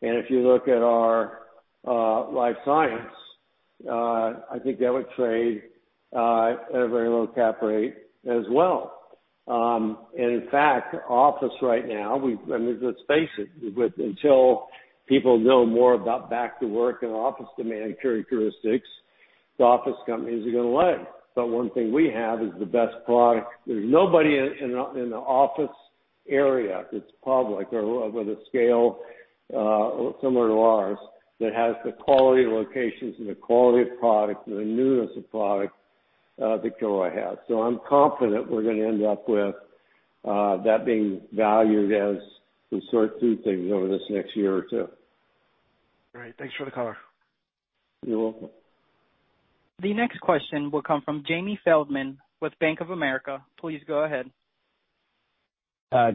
If you look at our life science, I think that would trade at a very low cap rate as well. In fact, office right now, let's face it, until people know more about back to work and office demand characteristics, the office companies are going to lag. One thing we have is the best product. There's nobody in the office area that's public or with a scale similar to ours that has the quality of locations and the quality of product and the newness of product that Kilroy has. I'm confident we're going to end up with that being valued as we sort through things over this next year or two. Great. Thanks for the color. You're welcome. The next question will come from Jamie Feldman with Bank of America. Please go ahead.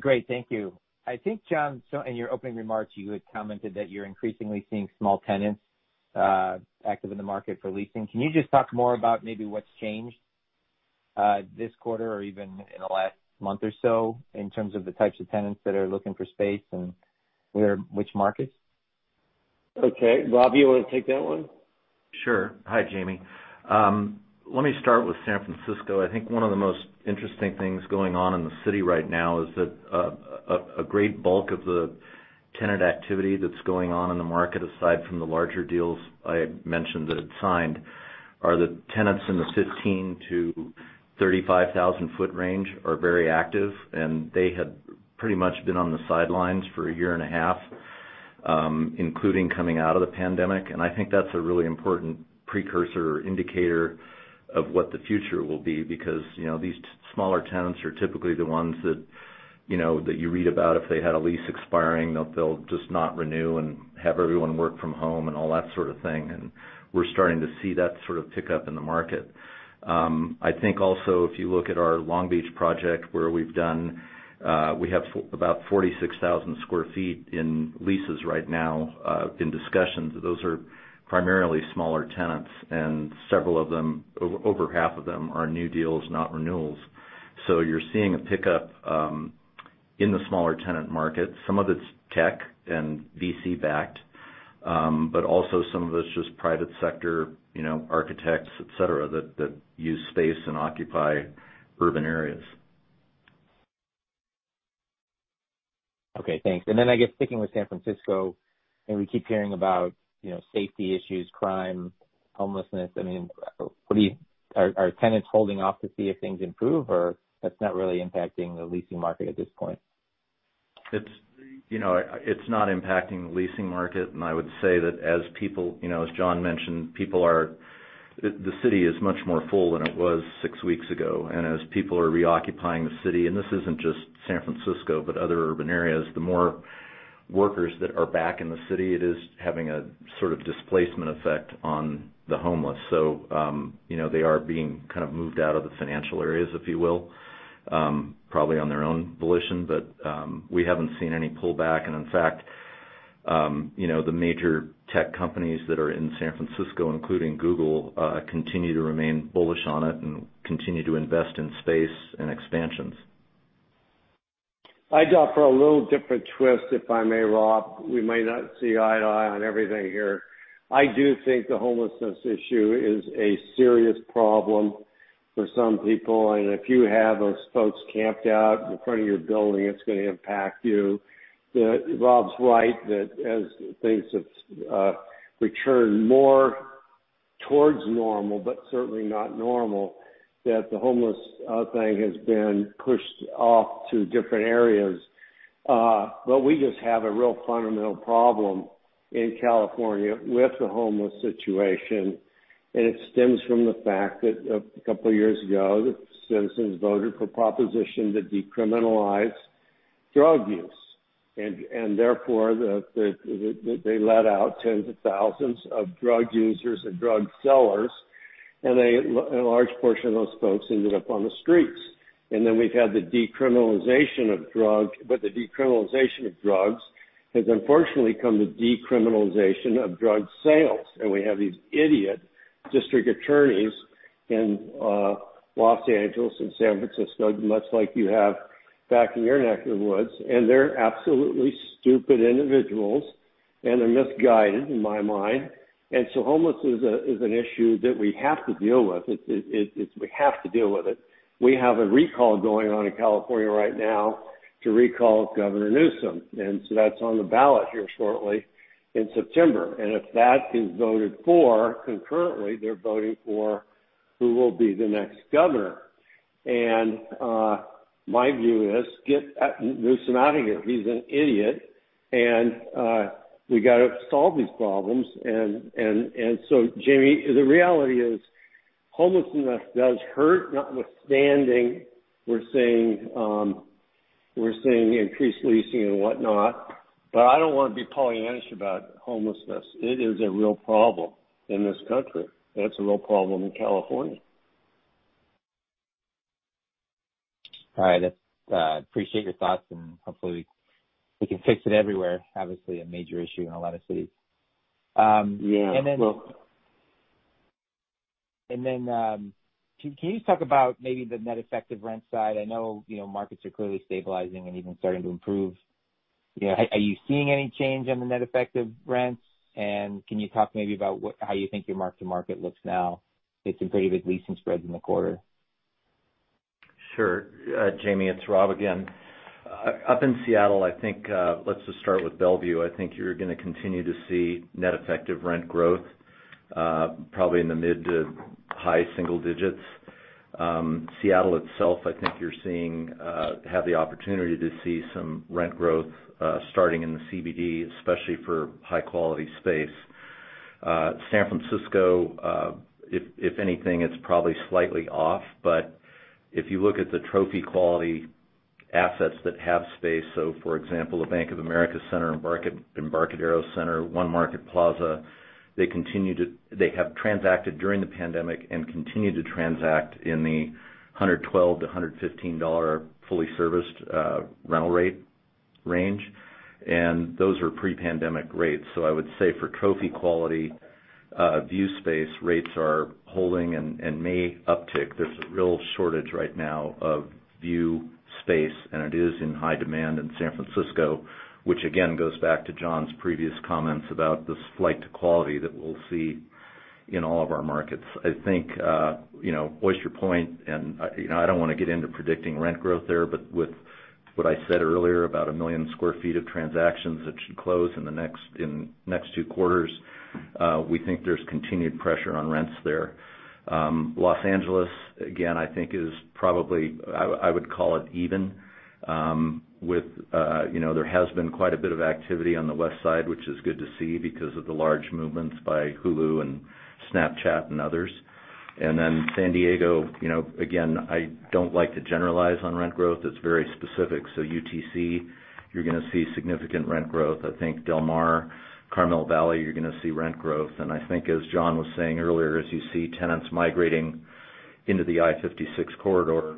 Great. Thank you. I think, John, in your opening remarks, you had commented that you're increasingly seeing small tenants active in the market for leasing. Can you just talk more about maybe what's changed this quarter or even in the last month or so in terms of the types of tenants that are looking for space and which markets? Okay. Rob, you want to take that one? Sure. Hi, Jamie. Let me start with San Francisco. I think one of the most interesting things going on in the city right now is that a great bulk of the tenant activity that's going on in the market, aside from the larger deals I had mentioned that it signed, are the tenants in the 15,000 sq ft-35,000 sq ft range are very active. They had pretty much been on the sidelines for a year and a half. Including coming out of the pandemic. I think that's a really important precursor or indicator of what the future will be because these smaller tenants are typically the ones that you read about if they had a lease expiring, they'll just not renew and have everyone work from home and all that sort of thing. We're starting to see that sort of pick up in the market. I think also, if you look at our Long Beach project, where we have about 46,000 sq ft in leases right now in discussions. Those are primarily smaller tenants, and several of them, over half of them are new deals, not renewals. You're seeing a pickup in the smaller tenant market. Some of its tech and VC-backed, but also some of it's just private sector, architects, et cetera, that use space and occupy urban areas. Okay, thanks. I guess, sticking with San Francisco, we keep hearing about safety issues, crime, homelessness. Are tenants holding off to see if things improve, or that's not really impacting the leasing market at this point? It's not impacting the leasing market. I would say that as John mentioned, the city is much more full than it was six weeks ago. As people are reoccupying the city, and this isn't just San Francisco, but other urban areas. The more workers that are back in the city, it is having a sort of displacement effect on the homeless. They are being kind of moved out of the financial areas, if you will. Probably on their own volition, we haven't seen any pullback. In fact, the major tech companies that are in San Francisco, including Google, continue to remain bullish on it and continue to invest in space and expansions. I'd offer a little different twist, if I may, Rob. We might not see eye to eye on everything here. I do think the homelessness issue is a serious problem for some people. If you have those folks camped out in front of your building, it's going to impact you. Rob's right that as things have returned more towards normal, but certainly not normal, that the homeless thing has been pushed off to different areas. We just have a real fundamental problem in California with the homeless situation. It stems from the fact that a couple of years ago, the citizens voted for a proposition to decriminalize drug use. Therefore, they let out tens of thousands of drug users and drug sellers. A large portion of those folks ended up on the streets. Then we've had the decriminalization of drugs, the decriminalization of drugs has unfortunately come with decriminalization of drug sales. We have these idiot district attorneys in L.A. and San Francisco, much like you have back in your neck of the woods. They're absolutely stupid individuals, and they're misguided in my mind. Homelessness is an issue that we have to deal with. We have to deal with it. We have a recall going on in California right now to recall Governor Newsom. That's on the ballot here shortly in September. If that is voted for, concurrently, they're voting for who will be the next governor. My view is get Newsom out of here. He's an idiot. We got to solve these problems. Jamie, the reality is homelessness does hurt, notwithstanding we're seeing increased leasing and whatnot. I don't want to be Pollyanna-ish about homelessness. It is a real problem in this country. It's a real problem in California. All right. I appreciate your thoughts, and hopefully we can fix it everywhere. Obviously, a major issue in a lot of cities. Yeah. Can you talk about maybe the net effective rent side? I know markets are clearly stabilizing and even starting to improve. Are you seeing any change on the net effective rents? Can you talk maybe about how you think your mark-to-market looks now based on pretty big leasing spreads in the quarter? Sure. Jamie, it's Rob again. Up in Seattle, let's just start with Bellevue. I think you're going to continue to see net effective rent growth, probably in the mid to high single digits. Seattle itself, I think you have the opportunity to see some rent growth starting in the CBD, especially for high-quality space. San Francisco, if anything, it's probably slightly off. If you look at the trophy quality assets that have space, for example, the Bank of America Center and Embarcadero Center, One Market Plaza, they have transacted during the pandemic and continue to transact in the $112-$115 fully serviced rental rate range. Those are pre-pandemic rates. I would say for trophy quality view space, rates are holding and may uptick. There's a real shortage right now of view space, and it is in high demand in San Francisco, which again goes back to John's previous comments about this flight to quality that we'll see in all of our markets. I think, Oyster Point, and I don't want to get into predicting rent growth there, but with what I said earlier about 1 million sq ft of transactions that should close in the next two quarters. We think there's continued pressure on rents there. Los Angeles, again, I think is probably, I would call it even. There has been quite a bit of activity on the Westside, which is good to see because of the large movements by Hulu and Snapchat and others. San Diego, again, I don't like to generalize on rent growth. It's very specific. UTC, you're going to see significant rent growth. I think Del Mar, Carmel Valley, you're going to see rent growth. I think, as John was saying earlier, as you see tenants migrating into the I-56 Corridor,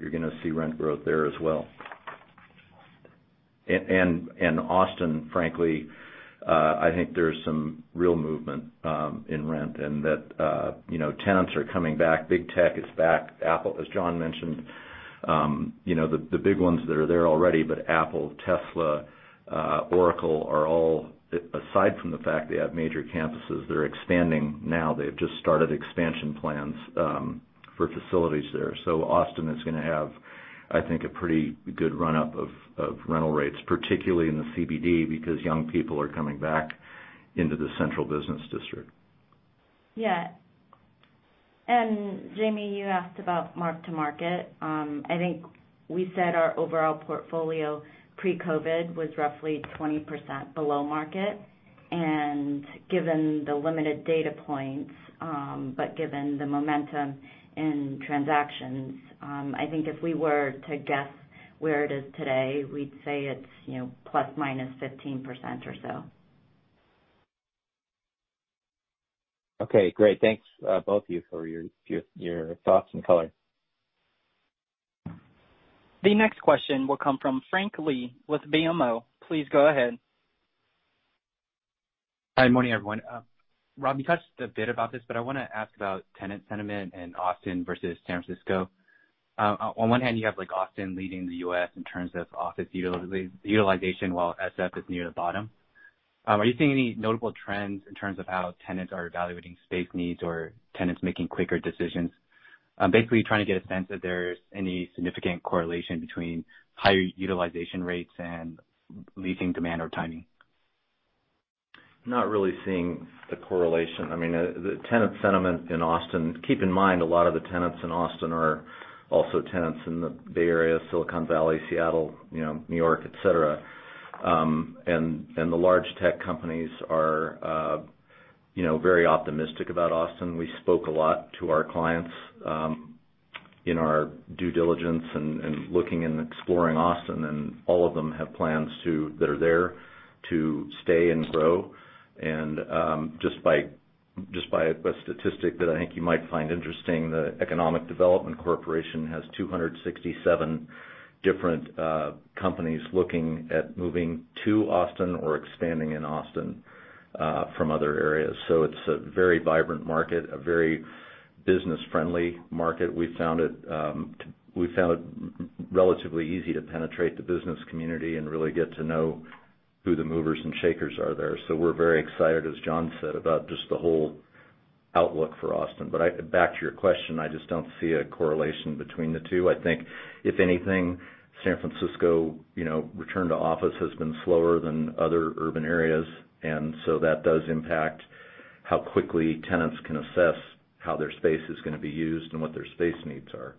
you're going to see rent growth there as well. Austin, frankly, I think there's some real movement in rent and that tenants are coming back. Big tech is back. Apple, as John mentioned. The big ones that are there already, Apple, Tesla, Oracle are all, aside from the fact they have major campuses, they're expanding now. They've just started expansion plans for facilities there. Austin is going to have, I think, a pretty good run-up of rental rates, particularly in the CBD, because young people are coming back into the Central Business District. Yeah. Jamie, you asked about mark-to-market. I think we said our overall portfolio pre-COVID was roughly 20% below market, and given the limited data points, but given the momentum in transactions, I think if we were to guess where it is today, we'd say it's ±15% or so. Okay, great. Thanks, both of you, for your thoughts and color. The next question will come from Frank Lee with BMO. Please go ahead. Hi. Morning, everyone. Rob, you touched a bit about this. I want to ask about tenant sentiment in Austin versus San Francisco. On one hand, you have Austin leading the U.S. in terms of office utilization, while SF is near the bottom. Are you seeing any notable trends in terms of how tenants are evaluating space needs or tenants making quicker decisions? I'm basically trying to get a sense if there's any significant correlation between higher utilization rates and leasing demand or timing. Not really seeing the correlation. The tenant sentiment in Austin. Keep in mind, a lot of the tenants in Austin are also tenants in the Bay Area, Silicon Valley, Seattle, New York, et cetera. The large tech companies are very optimistic about Austin. We spoke a lot to our clients in our due diligence and looking and exploring Austin, and all of them have plans that are there to stay and grow. Just by a statistic that I think you might find interesting, the Economic Development Corporation has 267 different companies looking at moving to Austin or expanding in Austin from other areas. It's a very vibrant market, a very business-friendly market. We found it relatively easy to penetrate the business community and really get to know who the movers and shakers are there. We're very excited, as John said, about just the whole outlook for Austin. Back to your question, I just don't see a correlation between the two. I think, if anything, San Francisco return to office has been slower than other urban areas, and so that does impact how quickly tenants can assess how their space is going to be used and what their space needs are.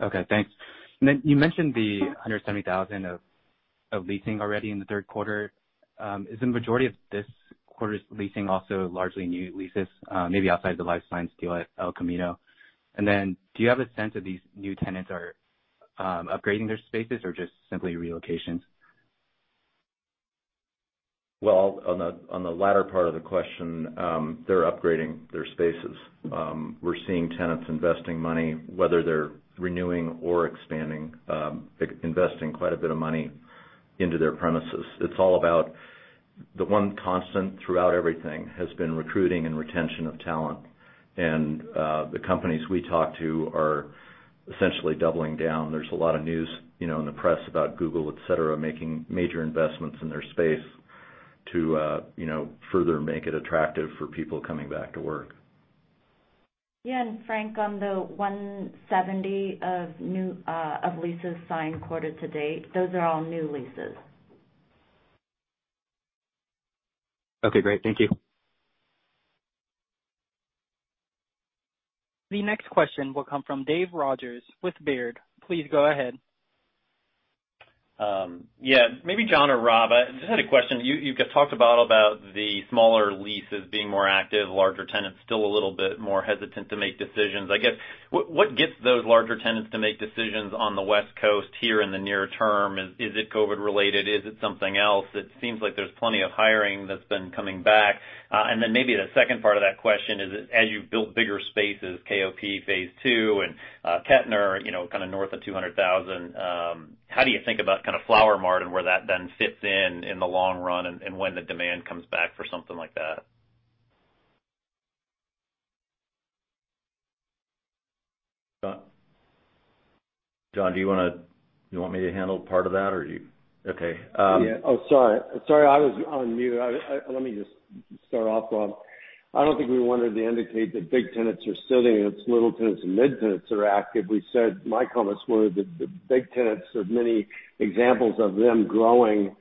Okay, thanks. You mentioned the 170,000 of leasing already in the third quarter. Is the majority of this quarter's leasing also largely new leases, maybe outside the life science deal at El Camino? Do you have a sense if these new tenants are upgrading their spaces or just simply relocations? Well, on the latter part of the question, they're upgrading their spaces. We're seeing tenants investing money, whether they're renewing or expanding, investing quite a bit of money into their premises. The one constant throughout everything has been recruiting and retention of talent, and the companies we talk to are essentially doubling down. There's a lot of news in the press about Google, et cetera, making major investments in their space to further make it attractive for people coming back to work. Yeah. Frank, on the 170,000 of leases signed quarter to date, those are all new leases. Okay, great. Thank you. The next question will come from Dave Rodgers with Baird. Please go ahead. Yeah. Maybe John or Rob, I just had a question. You talked about the smaller leases being more active, larger tenants still a little bit more hesitant to make decisions. I guess, what gets those larger tenants to make decisions on the West Coast here in the near term? Is it COVID related? Is it something else? It seems like there's plenty of hiring that's been coming back. Maybe the second part of that question is as you've built bigger spaces, KOP phase II and Kettner, kind of north of 200,000, how do you think about kind of Flower Mart and where that then fits in in the long run and when the demand comes back for something like that? John, do you want me to handle part of that or do you? Okay. Yeah. Oh, sorry. Sorry, I was on mute. To start off on, I don't think we wanted to indicate that big tenants are sitting. It's little tenants and mid tenants that are active. My comments were that the big tenants, there's many examples of them growing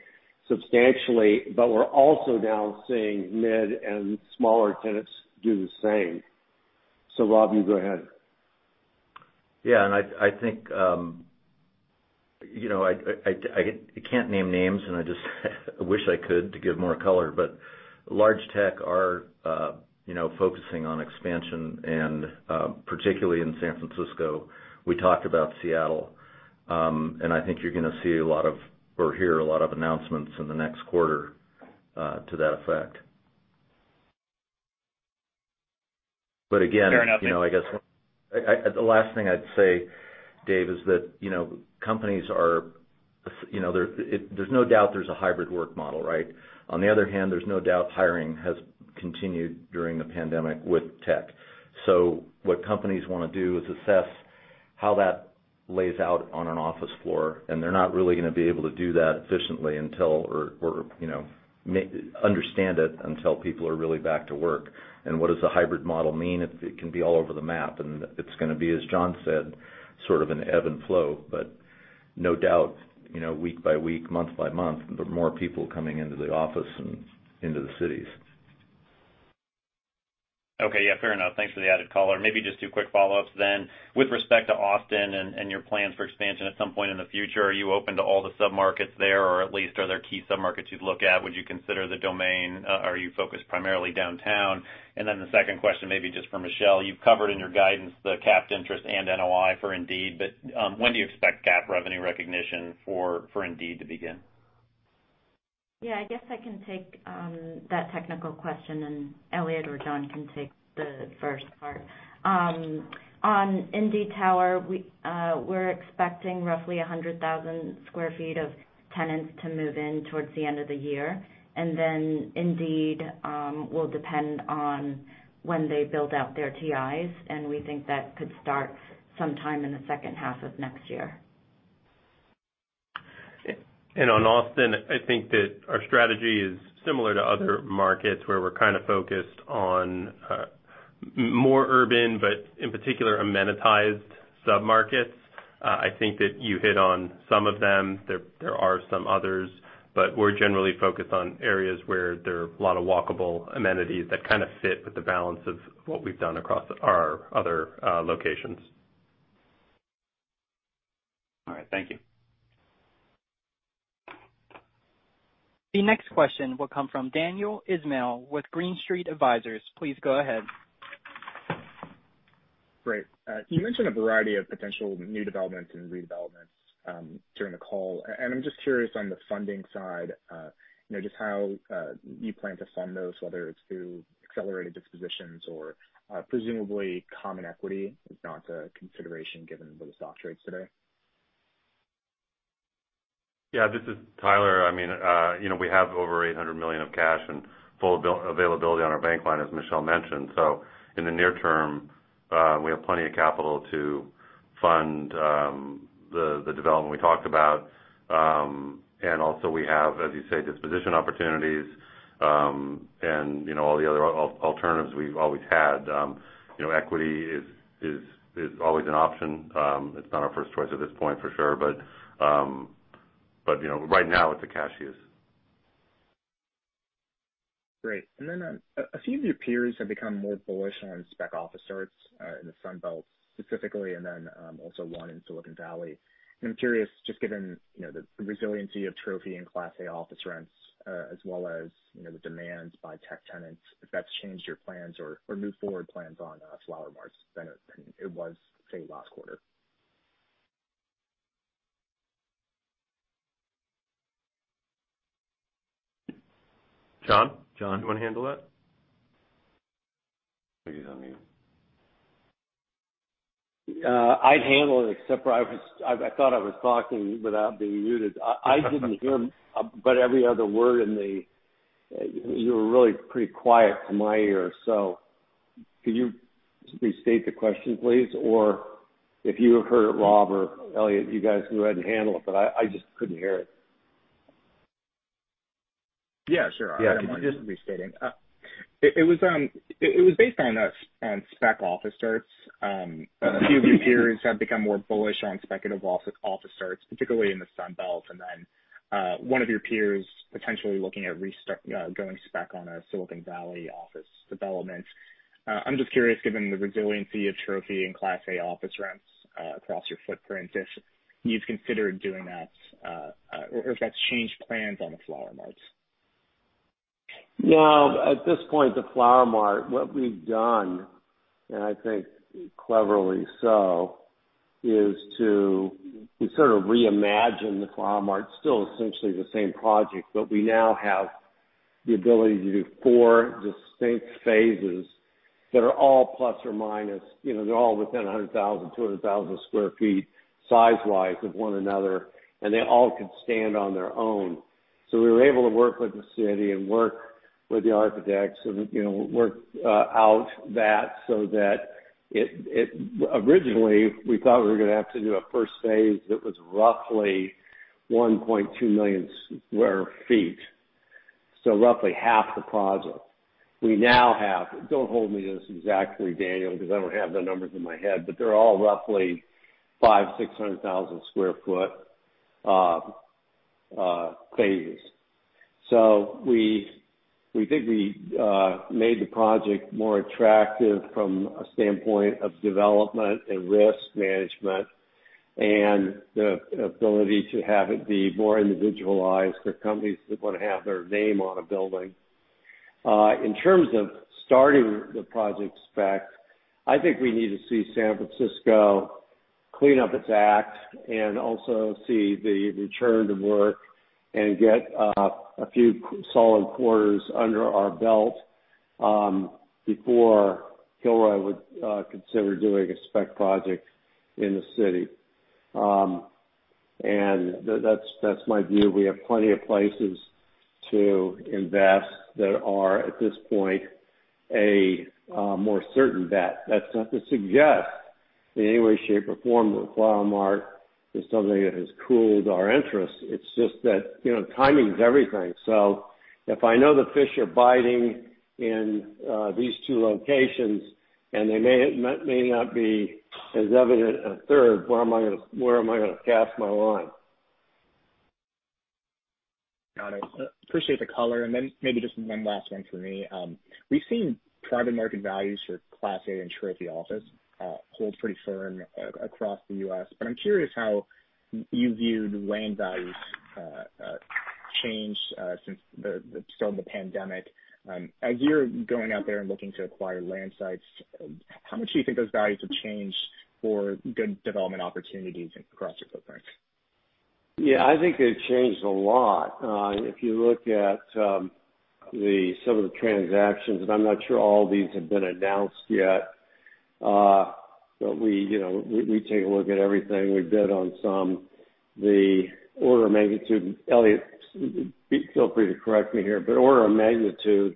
substantially, but we're also now seeing mid and smaller tenants do the same. Rob, you go ahead. Yeah. I think I can't name names and I just wish I could to give more color, but large tech are focusing on expansion and, particularly in San Francisco. We talked about Seattle. I think you're going to see a lot of or hear a lot of announcements in the next quarter to that effect. Fair enough. The last thing I'd say, Dave, is that companies are, there's no doubt there's a hybrid work model, right? On the other hand, there's no doubt hiring has continued during the pandemic with tech. What companies want to do is assess how that lays out on an office floor, and they're not really going to be able to do that efficiently or understand it until people are really back to work. What does the hybrid model mean? It can be all over the map, and it's going to be, as John said, sort of an ebb and flow, but no doubt, week by week, month by month, more people coming into the office and into the cities. Okay. Yeah, fair enough. Thanks for the added color. Maybe just two quick follow-ups then. With respect to Austin and your plans for expansion at some point in the future, are you open to all the sub-markets there, or at least are there key sub-markets you'd look at? Would you consider The Domain? Are you focused primarily downtown? The second question, maybe just for Michelle, you've covered in your guidance the capitalized interest and NOI for Indeed, but when do you expect GAAP revenue recognition for Indeed to begin? Yeah, I guess I can take that technical question, and Eliott or John can take the first part. On Indeed Tower, we're expecting roughly 100,000 sq ft of tenants to move in towards the end of the year. Indeed, will depend on when they build out their TIs, and we think that could start sometime in the second half of next year. On Austin, I think that our strategy is similar to other markets, where we're kind of focused on more urban, but in particular, amenitized sub-markets. I think that you hit on some of them. There are some others. We're generally focused on areas where there are a lot of walkable amenities that kind of fit with the balance of what we've done across our other locations. All right. Thank you. The next question will come from Daniel Ismail with Green Street Advisors. Please go ahead. Great. You mentioned a variety of potential new developments and redevelopments during the call. I'm just curious on the funding side, just how you plan to fund those, whether it's through accelerated dispositions or presumably common equity is not a consideration given the stock trades today. Yeah, this is Tyler. We have over $800 million of cash and full availability on our bank line, as Michelle mentioned. In the near term, we have plenty of capital to fund the development we talked about. Also, we have, as you say, disposition opportunities, and all the other alternatives we've always had. Equity is always an option. It's not our first choice at this point, for sure, but right now it's a cash use. Great. A few of your peers have become more bullish on spec office starts in the Sun Belt specifically, and then also one in Silicon Valley. I'm curious, just given the resiliency of Trophy and Class A office rents, as well as the demands by tech tenants, if that's changed your plans or moved forward plans on Flower Mart than it was, say, last quarter? John? John? You want to handle that? He's on mute. I'd handle it, except for I thought I was talking without being muted. I didn't hear but every other word in the. You were really pretty quiet to my ear. Could you just restate the question, please? If you have heard it, Rob or Eliott, you guys can go ahead and handle it, but I just couldn't hear it. Yeah, sure. Yeah. Don't mind just restating. It was based on spec office starts. A few of your peers have become more bullish on speculative office starts, particularly in the Sun Belt, and then one of your peers potentially looking at going spec on a Silicon Valley office development. I'm just curious, given the resiliency of Trophy and Class A office rents across your footprint, if you've considered doing that, or if that's changed plans on the Flower Mart. No. At this point, the Flower Mart, what we've done, and I think cleverly so, is to sort of reimagine the Flower Mart. We now have the ability to do four distinct phases that are all plus or minus. They're all within 100,000 sq ft, 200,000 sq ft size-wise of one another, and they all could stand on their own. We were able to work with the city and work with the architects and work out that, so that originally, we thought we were going to have to do a first phase that was roughly 1.2 million sq ft. Roughly half the project. We now have, don't hold me to this exactly, Daniel, because I don't have the numbers in my head, but they're all roughly 500,000 sq ft, 600,000 sq ft phases. We think we made the project more attractive from a standpoint of development and risk management, and the ability to have it be more individualized for companies that want to have their name on a building. In terms of starting the project spec, I think we need to see San Francisco clean up its act and also see the return to work and get a few solid quarters under our belt, before Kilroy would consider doing a spec project in the city. That's my view. We have plenty of places to invest that are, at this point, a more certain bet. That's not to suggest in any way, shape, or form that Flower Mart is something that has cooled our interest. It's just that timing is everything. If I know the fish are biting in these two locations, and they may not be as evident a third, where am I gonna cast my line? Got it. Appreciate the color. Maybe just one last one from me. We've seen private market values for Class A and Trophy office, hold pretty firm across the U.S., I'm curious how you viewed land values change since the start of the pandemic. As you're going out there and looking to acquire land sites, how much do you think those values have changed for good development opportunities across your footprint? Yeah, I think they've changed a lot. If you look at some of the transactions, and I'm not sure all these have been announced yet, but we take a look at everything. We bid on some. The order of magnitude, Eliott, feel free to correct me here, but order of magnitude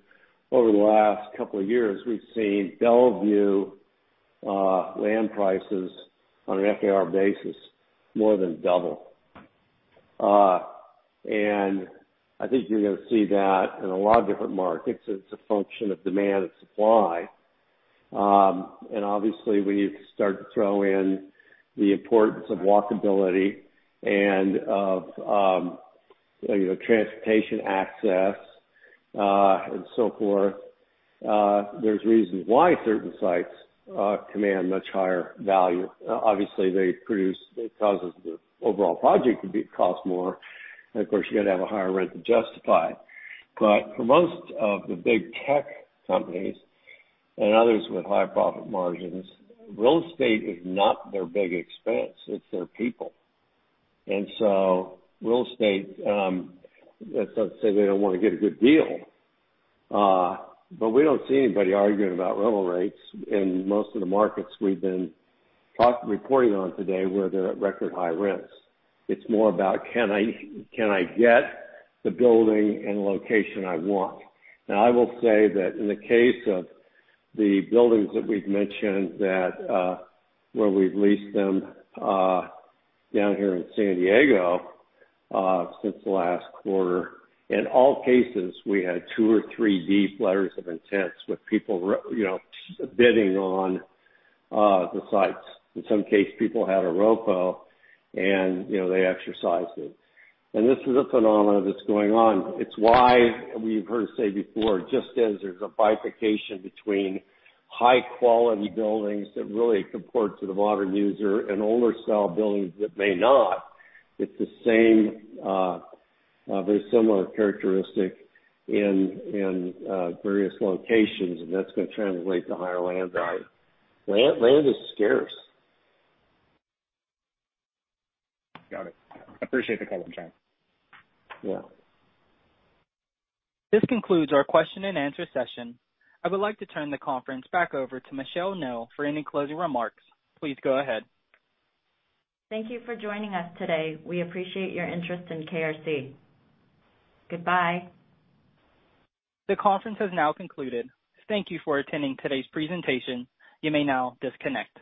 over the last couple years, we've seen Bellevue land prices on an FAR basis more than double. I think you're gonna see that in a lot of different markets. It's a function of demand and supply. Obviously, we need to start to throw in the importance of walkability and of transportation access, and so forth. There's reasons why certain sites command much higher value. Obviously, they produce, it causes the overall project cost more, and of course, you got to have a higher rent to justify. For most of the big tech companies and others with high profit margins, real estate is not their big expense. It's their people. Real estate, that's not to say they don't want to get a good deal, but we don't see anybody arguing about rental rates in most of the markets we've been reporting on today where they're at record high rents. It's more about, can I get the building and location I want? I will say that in the case of the buildings that we've mentioned, where we've leased them down here in San Diego since the last quarter, in all cases, we had two or three deep letters of intents with people bidding on the sites. In some case, people had a ROFO and they exercised it. This is a phenomenon that's going on. It's why we've heard us say before, just as there's a bifurcation between high-quality buildings that really comport to the modern user and older style buildings that may not, it's the same, very similar characteristic in various locations. That's gonna translate to higher land value. Land is scarce. Got it. Appreciate the color, John. Yeah. This concludes our question-and-answer session. I would like to turn the conference back over to Michelle Ngo for any closing remarks. Please go ahead. Thank you for joining us today. We appreciate your interest in KRC. Goodbye. The conference has now concluded. Thank you for attending today's presentation. You may now disconnect.